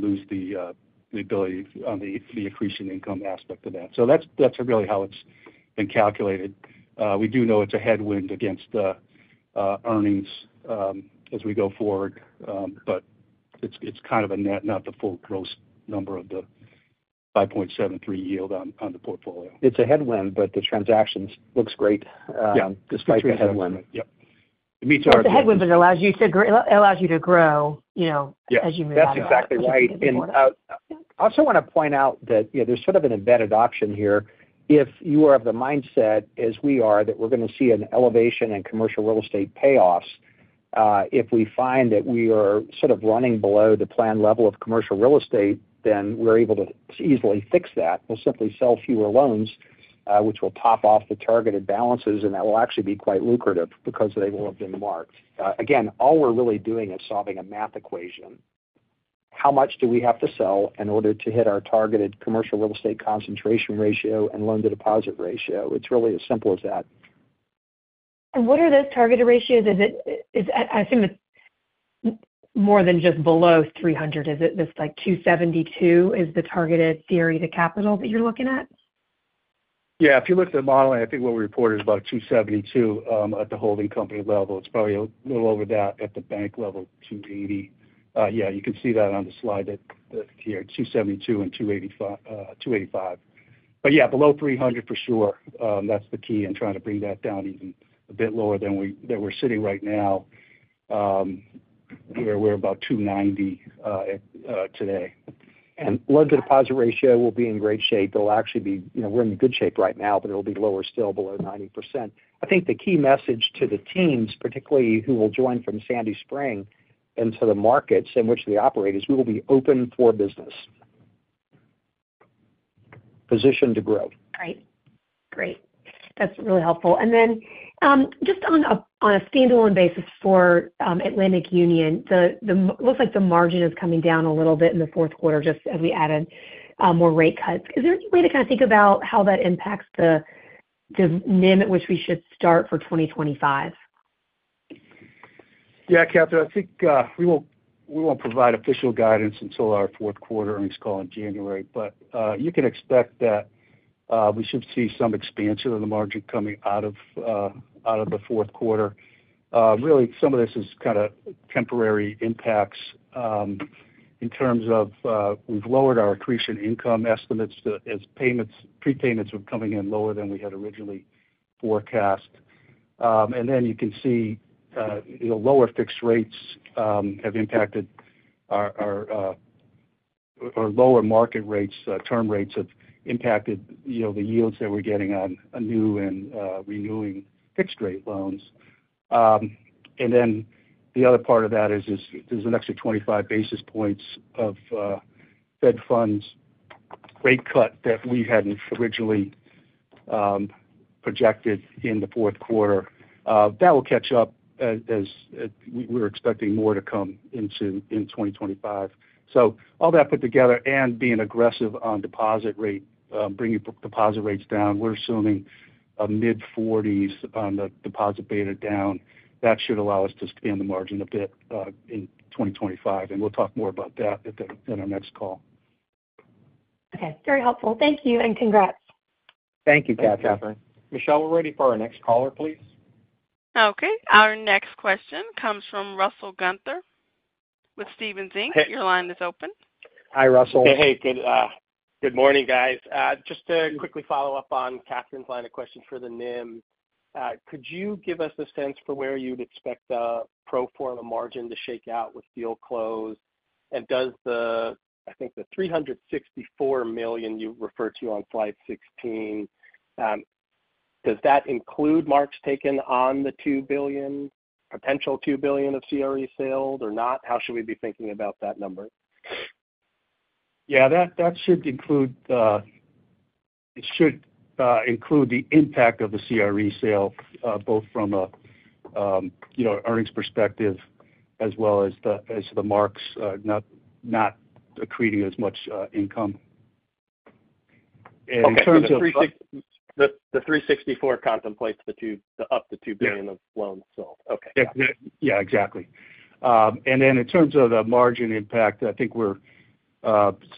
lose the ability on the accretion income aspect of that. So that's really how it's been calculated. We do know it's a headwind against the earnings as we go forward, but it's kind of a net, not the full gross number of the 5.73 yield on the portfolio. It's a headwind, but the transaction looks great. Yeah. despite the headwind. Yep. It meets our- But the headwind allows you to grow, you know. Yes. As you move on. That's exactly right. And I also want to point out that, you know, there's sort of an embedded option here. If you are of the mindset, as we are, that we're gonna see an elevation in commercial real estate payoffs, if we find that we are sort of running below the planned level of commercial real estate, then we're able to easily fix that. We'll simply sell fewer loans, which will top off the targeted balances, and that will actually be quite lucrative because they will have been marked. Again, all we're really doing is solving a math equation. How much do we have to sell in order to hit our targeted commercial real estate concentration ratio and loan-to-deposit ratio? It's really as simple as that. And what are those targeted ratios? I assume it's more than just below three hundred. Is it just like 272 is the targeted CRE, the capital that you're looking at? Yeah, if you look at the model, I think what we reported is about 272 at the holding company level. It's probably a little over that at the bank level, 280. Yeah, you can see that on the slide that's here, 272 and 285. But yeah, below 300 for sure. That's the key in trying to bring that down even a bit lower than we're sitting right now. We're about 290 today. And loan deposit ratio will be in great shape. It'll actually be, you know, we're in good shape right now, but it'll be lower, still below 90%. I think the key message to the teams, particularly who will join from Sandy Spring into the markets in which they operate, is we will be open for business. Positioned to grow. Great. Great. That's really helpful. And then, just on a standalone basis for Atlantic Union, the margin looks like it's coming down a little bit in the fourth quarter, just as we added more rate cuts. Is there any way to kind of think about how that impacts the NIM at which we should start for 2025? Yeah, Catherine, I think we won't provide official guidance until our fourth quarter earnings call in January. But you can expect that we should see some expansion of the margin coming out of the fourth quarter. Really, some of this is kind of temporary impacts in terms of we've lowered our accretion income estimates as prepayments are coming in lower than we had originally forecast. And then you can see, you know, lower fixed rates have impacted our lower market rates, term rates have impacted, you know, the yields that we're getting on a new and renewing fixed rate loans. And then the other part of that is, there's an extra 25 basis points of Fed funds rate cut that we hadn't originally projected in the fourth quarter. That will catch up as we're expecting more to come in to 2025. So all that put together and being aggressive on deposit rate, bringing deposit rates down, we're assuming a mid-forties on the deposit beta down. That should allow us to expand the margin a bit in 2025, and we'll talk more about that in our next call. Okay, very helpful. Thank you and congrats. Thank you, Catherine. Thank you, Catherine. Michelle, we're ready for our next caller, please. Okay, our next question comes from Russell Gunther with Stephens Inc. Hey- Your line is open. Hi, Russell. Hey, good morning, guys. Just to quickly follow up on Catherine's line of question for the NIM. Could you give us a sense for where you'd expect the pro forma margin to shake out with deal close? And does the, I think, the $364 million you refer to on slide 16, does that include marks taken on the $2 billion, potential $2 billion of CRE sold or not? How should we be thinking about that number? Yeah, that should include the, It should include the impact of the CRE sale, both from a, you know, earnings perspective as well as the, as the marks, not accreting as much income. In terms of- Okay, so the three sixty-four contemplates the two, up to $2 billion- Yeah of loans sold. Okay. Yeah. Yeah, exactly. And then in terms of the margin impact, I think we're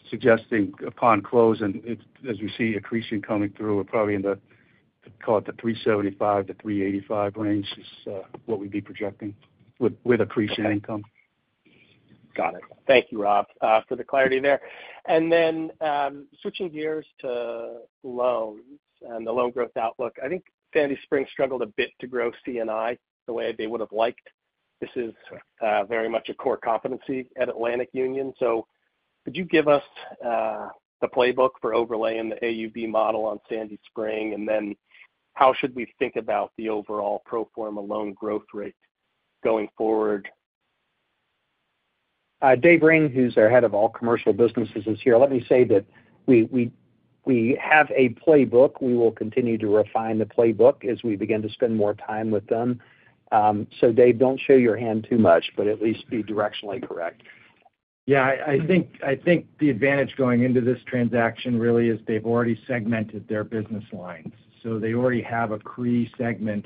suggesting upon close and it's, as we see accretion coming through, we're probably in the, call it the 375-385 range is what we'd be projecting with, with accretion income. Got it. Thank you, Rob, for the clarity there. And then, switching gears to loans and the loan growth outlook. I think Sandy Spring struggled a bit to grow C&I the way they would have liked. This is very much a core competency at Atlantic Union. So could you give us the playbook for overlaying the AUB model on Sandy Spring? And then how should we think about the overall pro forma loan growth rate going forward? Dave Ring, who's our head of all commercial businesses, is here. Let me say that we have a playbook. We will continue to refine the playbook as we begin to spend more time with them. So Dave, don't show your hand too much, but at least be directionally correct. Yeah, I think the advantage going into this transaction really is they've already segmented their business lines, so they already have a CRE segment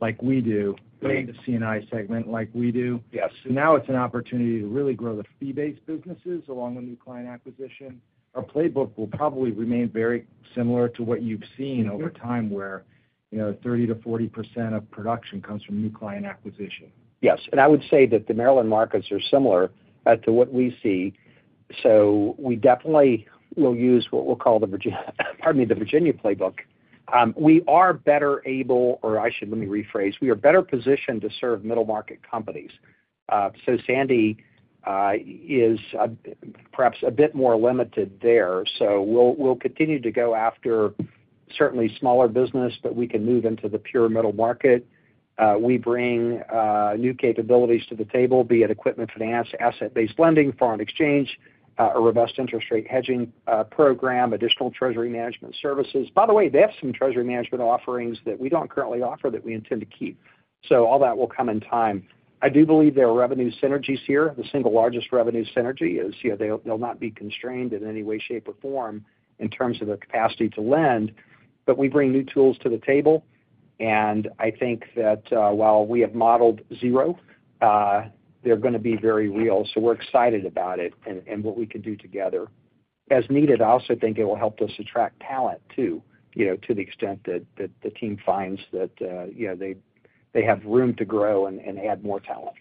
like we do. Right and a C&I segment like we do. Yes. So now it's an opportunity to really grow the fee-based businesses along with new client acquisition. Our playbook will probably remain very similar to what you've seen over time, where, you know, 30%-40% of production comes from new client acquisition. Yes, and I would say that the Maryland markets are similar to what we see. So we definitely will use what we'll call the Virginia, pardon me, the Virginia playbook. We are better able, or I should let me rephrase, we are better positioned to serve middle-market companies. So Sandy is perhaps a bit more limited there. So we'll continue to go after certainly smaller business, but we can move into the pure middle market. We bring new capabilities to the table, be it equipment finance, asset-based lending, foreign exchange, a robust interest rate hedging program, additional treasury management services. By the way, they have some treasury management offerings that we don't currently offer that we intend to keep.... so all that will come in time. I do believe there are revenue synergies here. The single largest revenue synergy is, you know, they'll not be constrained in any way, shape, or form in terms of their capacity to lend, but we bring new tools to the table, and I think that, while we have modeled zero, they're gonna be very real, so we're excited about it and what we can do together. As needed, I also think it will help us attract talent too, you know, to the extent that the team finds that, you know, they have room to grow and add more talent.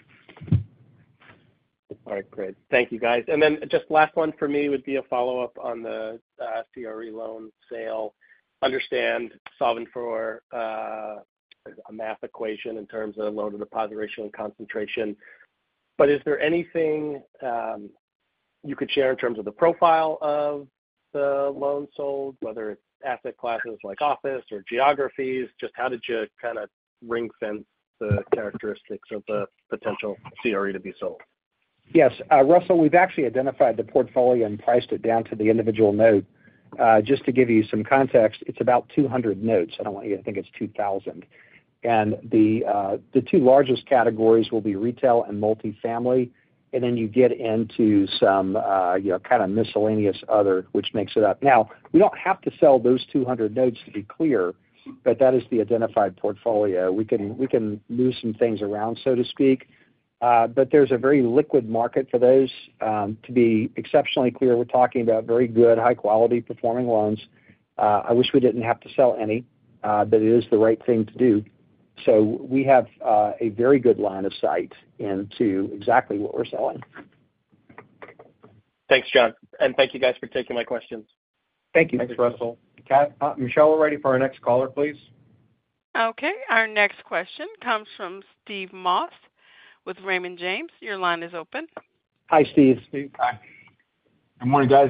All right, great. Thank you, guys. And then just last one for me would be a follow-up on the CRE loan sale. Understand solving for a math equation in terms of loan-to-deposit ratio and concentration. But is there anything you could share in terms of the profile of the loans sold, whether it's asset classes like office or geographies? Just how did you kind of ring-fence the characteristics of the potential CRE to be sold? Yes, Russell, we've actually identified the portfolio and priced it down to the individual note. Just to give you some context, it's about 200 notes. I don't want you to think it's 2,000. And the two largest categories will be retail and multifamily, and then you get into some, you know, kind of miscellaneous other, which makes it up. Now, we don't have to sell those two hundred notes, to be clear, but that is the identified portfolio. We can move some things around, so to speak, but there's a very liquid market for those. To be exceptionally clear, we're talking about very good, high-quality performing loans. I wish we didn't have to sell any, but it is the right thing to do. So we have a very good line of sight into exactly what we're selling. Thanks, John, and thank you guys for taking my questions. Thank you. Thanks, Russell. Michelle, we're ready for our next caller, please. Okay, our next question comes from Steve Moss with Raymond James. Your line is open. Hi, Steve. Steve, hi. Good morning, guys.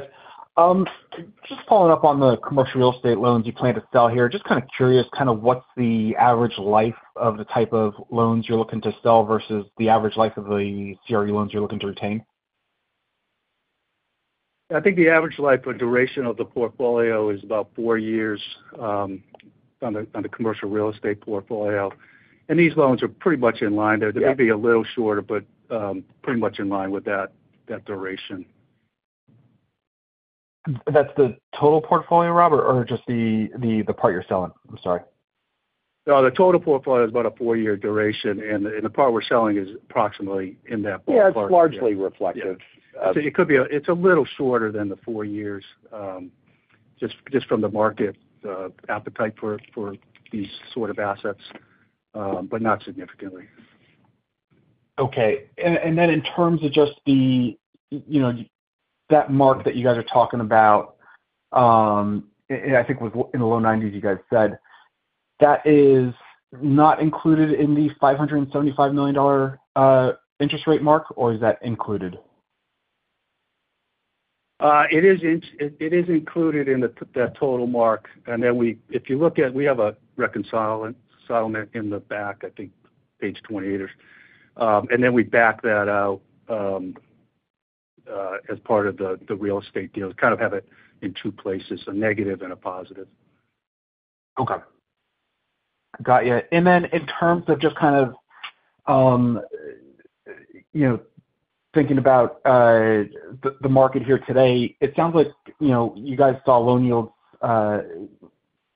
Just following up on the commercial real estate loans you plan to sell here. Just kind of curious, kind of what's the average life of the type of loans you're looking to sell versus the average life of the CRE loans you're looking to retain? I think the average life or duration of the portfolio is about four years on the commercial real estate portfolio, and these loans are pretty much in line there. Yeah. They may be a little shorter, but, pretty much in line with that duration. That's the total portfolio, Rob, or just the part you're selling? I'm sorry. No, the total portfolio is about a four-year duration, and the part we're selling is approximately in that ballpark. Yeah, it's largely reflective. Yeah. So it could be a little shorter than the four years, just from the market appetite for these sort of assets, but not significantly. Okay. And then in terms of just the, you know, that mark that you guys are talking about, and I think was in the low nineties, you guys said, that is not included in the $575 million interest rate mark, or is that included? It is included in the total mark. And then if you look at, we have a reconciliation and settlement in the back, I think page 28 or. And then we back that out as part of the real estate deal, kind of have it in two places, a negative and a positive. Okay. Got you. And then in terms of just kind of, you know, thinking about the market here today, it sounds like, you know, you guys saw loan yields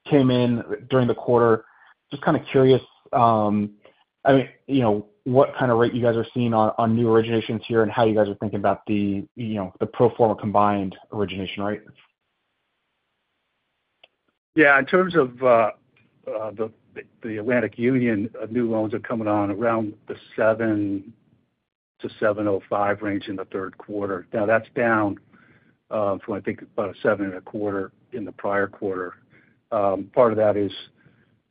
came in during the quarter. Just kind of curious, I mean, you know, what kind of rate you guys are seeing on new originations here and how you guys are thinking about the, you know, the pro forma combined origination rate? Yeah, in terms of the Atlantic Union, new loans are coming on around the 7 to 7.05 range in the third quarter. Now, that's down from, I think, about a 7.25 in the prior quarter. Part of that is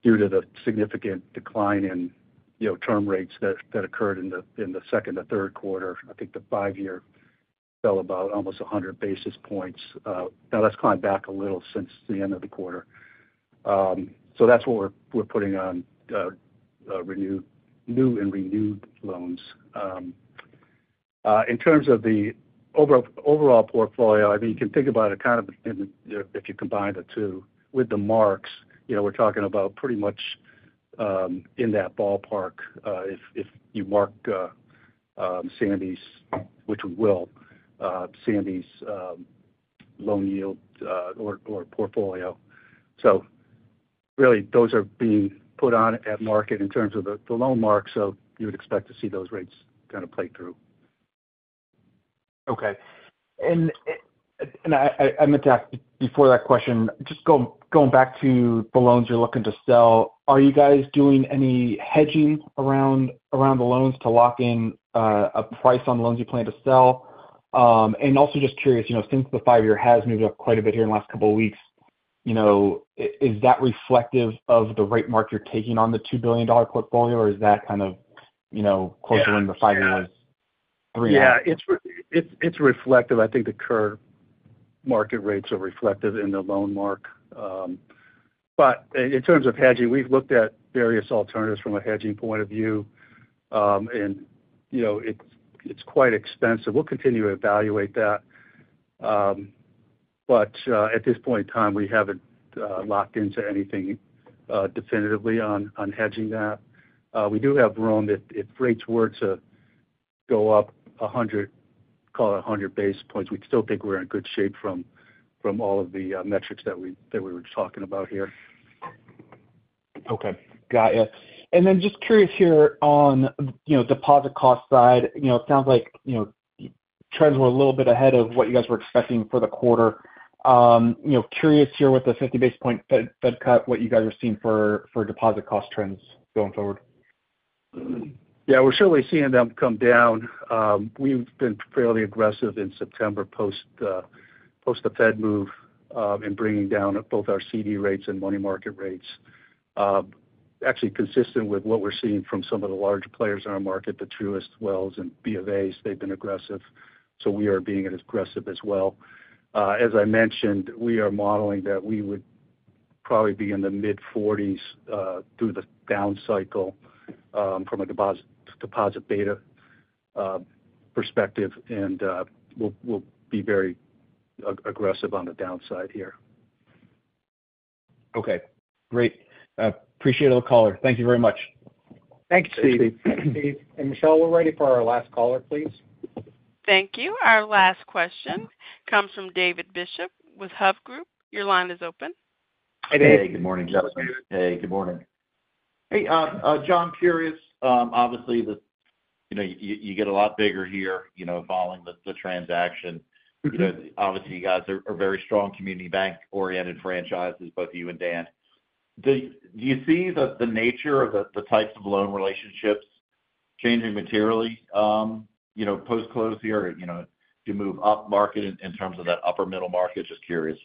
due to the significant decline in, you know, term rates that occurred in the second or third quarter. I think the five-year fell about almost 100 basis points. Now that's climbed back a little since the end of the quarter. So that's what we're putting on, new and renewed loans. In terms of the overall portfolio, I mean, you can think about it kind of in, if you combine the two, with the marks, you know, we're talking about pretty much in that ballpark, if you mark Sandy's, which we will, Sandy's loan yield or portfolio. So really, those are being put on at market in terms of the loan mark, so you would expect to see those rates kind of play through. Okay. And I meant to ask before that question, just going back to the loans you're looking to sell, are you guys doing any hedging around the loans to lock in a price on loans you plan to sell? And also just curious, you know, since the five-year has moved up quite a bit here in the last couple of weeks, you know, is that reflective of the rate mark you're taking on the $2 billion portfolio? Or is that kind of, you know- Yeah. Closer in the five-year? Yeah. Three. Yeah, it's reflective. I think the current market rates are reflective in the loan mark. But in terms of hedging, we've looked at various alternatives from a hedging point of view. And, you know, it's quite expensive. We'll continue to evaluate that. But at this point in time, we haven't locked into anything definitively on hedging that. We do have room if rates were to go up a hundred, call it 100 basis points, we'd still think we're in good shape from all of the metrics that we were talking about here. Okay, got it. And then just curious here on, you know, deposit cost side, you know, it sounds like, you know, trends were a little bit ahead of what you guys were expecting for the quarter. You know, curious here with the 50 basis point Fed cut, what you guys are seeing for deposit cost trends going forward? Yeah, we're certainly seeing them come down. We've been fairly aggressive in September, post the Fed move, in bringing down both our CD rates and money market rates. Actually consistent with what we're seeing from some of the larger players in our market, the Truists, Wells, and B of As, they've been aggressive, so we are being as aggressive as well. As I mentioned, we are modeling that we would probably be in the mid-forties through the down cycle, from a deposit beta perspective, and we'll be very aggressive on the downside here. Okay, great. Appreciate it, caller. Thank you very much. Thanks, Steve. Thanks, Steve. And Michelle, we're ready for our last caller, please. Thank you. Our last question comes from David Bishop with Hovde Group. Your line is open. Hey, good morning, gentlemen. Hey, good morning. Hey, John, curious, obviously, you know, you get a lot bigger here, you know, following the transaction. You know, obviously, you guys are very strong community bank-oriented franchises, both you and Dan. Do you see the nature of the types of loan relationships changing materially, you know, post-close here? You know, do you move upmarket in terms of that upper middle market? Just curious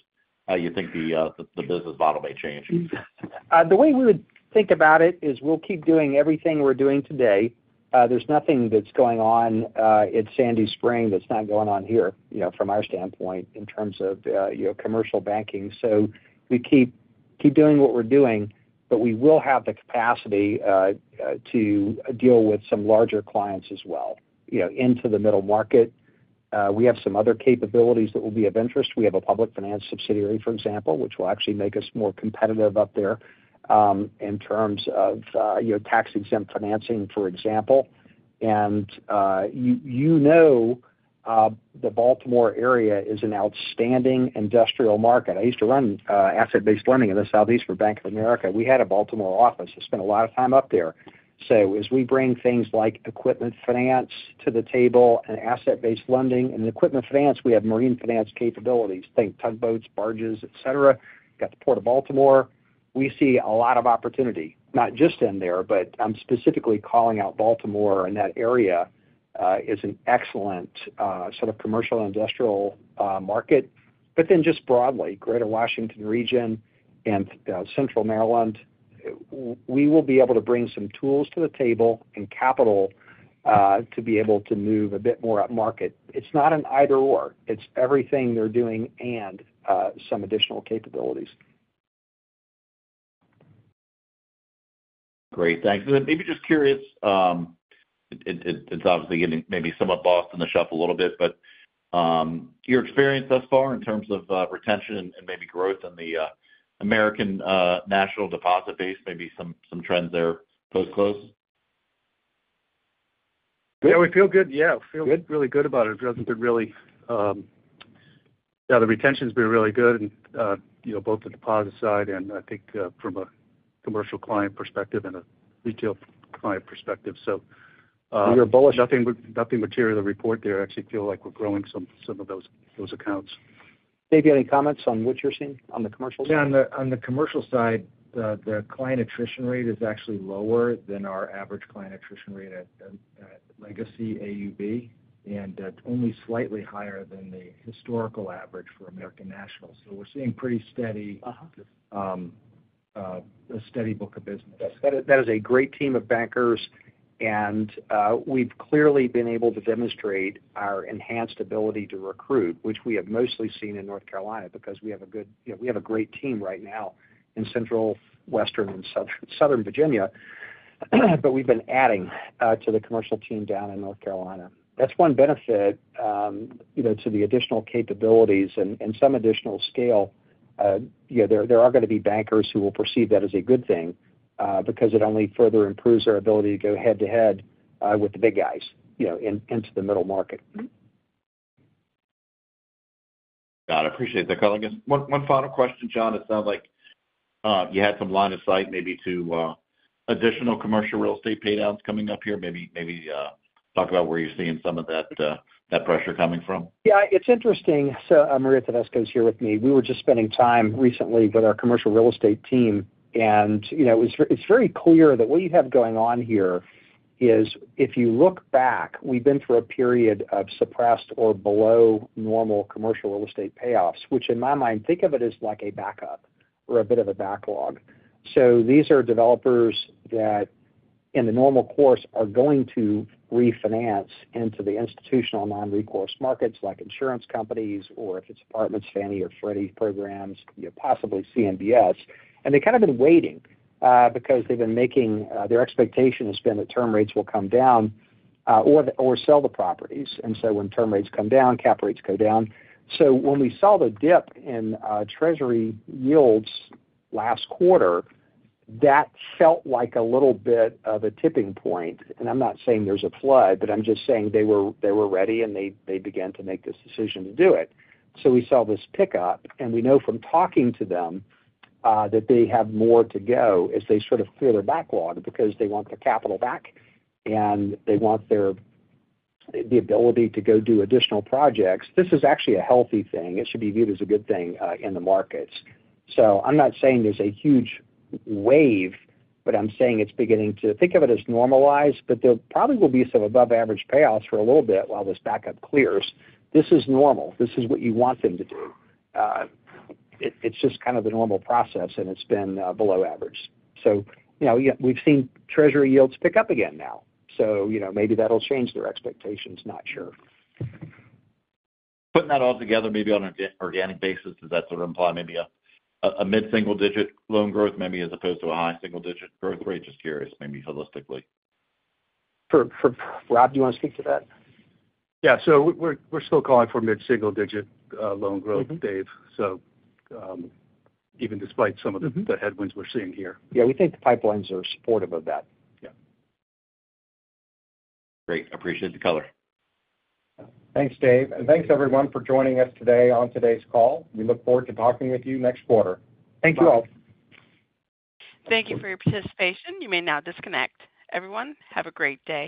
how you think the business model may change. The way we would think about it is we'll keep doing everything we're doing today. There's nothing that's going on at Sandy Spring that's not going on here, you know, from our standpoint, in terms of, you know, commercial banking. So we keep doing what we're doing, but we will have the capacity to deal with some larger clients as well, you know, into the middle market. We have some other capabilities that will be of interest. We have a public finance subsidiary, for example, which will actually make us more competitive up there, in terms of, you know, tax-exempt financing, for example, and you know, the Baltimore area is an outstanding industrial market. I used to run asset-based lending in the Southeast for Bank of America. We had a Baltimore office. I spent a lot of time up there. So as we bring things like equipment finance to the table and asset-based lending, and equipment finance, we have marine finance capabilities, think tugboats, barges, et cetera. Got the Port of Baltimore. We see a lot of opportunity, not just in there, but I'm specifically calling out Baltimore and that area is an excellent sort of commercial and industrial market. But then just broadly, Greater Washington region and Central Maryland, we will be able to bring some tools to the table and capital to be able to move a bit more upmarket. It's not an either/or. It's everything they're doing and some additional capabilities. Great, thanks. And then maybe just curious, it's obviously getting maybe somewhat lost in the shuffle a little bit, but your experience thus far in terms of retention and maybe growth in the American National deposit base, maybe some trends there post-close? Yeah, we feel good. Yeah, feel really good about it. Yeah, the retention's been really good and, you know, both the deposit side, and I think, from a commercial client perspective and a retail client perspective. So, We are bullish. Nothing material to report there. I actually feel like we're growing some of those accounts. Dave, you have any comments on what you're seeing on the commercial side? Yeah, on the commercial side, the client attrition rate is actually lower than our average client attrition rate at legacy AUB, and only slightly higher than the historical average for American National. So we're seeing pretty steady- Uh-huh. A steady book of business. That is a great team of bankers, and we've clearly been able to demonstrate our enhanced ability to recruit, which we have mostly seen in North Carolina, because we have a good, you know, we have a great team right now in Central, Western, and Southern Virginia, but we've been adding to the commercial team down in North Carolina. That's one benefit, you know, to the additional capabilities and some additional scale. You know, there are gonna be bankers who will perceive that as a good thing, because it only further improves their ability to go head-to-head with the big guys, you know, into the middle market. Got it. I appreciate that, caller. I guess one final question, John. It sounds like you had some line of sight maybe to additional commercial real estate paydowns coming up here. Maybe talk about where you're seeing some of that pressure coming from. Yeah, it's interesting. So, Maria Tedesco's here with me. We were just spending time recently with our commercial real estate team, and, you know, it's very clear that what you have going on here is, if you look back, we've been through a period of suppressed or below normal commercial real estate payoffs. Which, in my mind, think of it as like a backup or a bit of a backlog. So these are developers that, in the normal course, are going to refinance into the institutional non-recourse markets, like insurance companies, or if it's apartments, Fannie or Freddie programs, you know, possibly CMBS. And they've kind of been waiting, because they've been making... Their expectation has been that term rates will come down, or sell the properties. And so when term rates come down, cap rates go down. So when we saw the dip in Treasury yields last quarter, that felt like a little bit of a tipping point. And I'm not saying there's a flood, but I'm just saying they were ready, and they began to make this decision to do it. So we saw this pickup, and we know from talking to them that they have more to go as they sort of clear their backlog, because they want their capital back, and they want the ability to go do additional projects. This is actually a healthy thing. It should be viewed as a good thing in the markets. So I'm not saying there's a huge wave, but I'm saying it's beginning to think of it as normalized, but there probably will be some above-average payoffs for a little bit while this backup clears. This is normal. This is what you want them to do. It's just kind of the normal process, and it's been below average, so you know, yeah, we've seen Treasury yields pick up again now, so you know, maybe that'll change their expectations, not sure. Putting that all together, maybe on an organic basis, does that sort of imply maybe a mid-single-digit loan growth maybe, as opposed to a high single-digit growth rate? Just curious, maybe holistically. For... Rob, do you want to speak to that? Yeah, so we're still calling for mid-single-digit loan growth- Dave. So, even despite some of the the headwinds we're seeing here. Yeah, we think the pipelines are supportive of that. Yeah. Great. Appreciate the color. Thanks, Dave, and thanks, everyone, for joining us today on today's call. We look forward to talking with you next quarter. Thank you all. Thank you for your participation. You may now disconnect. Everyone, have a great day.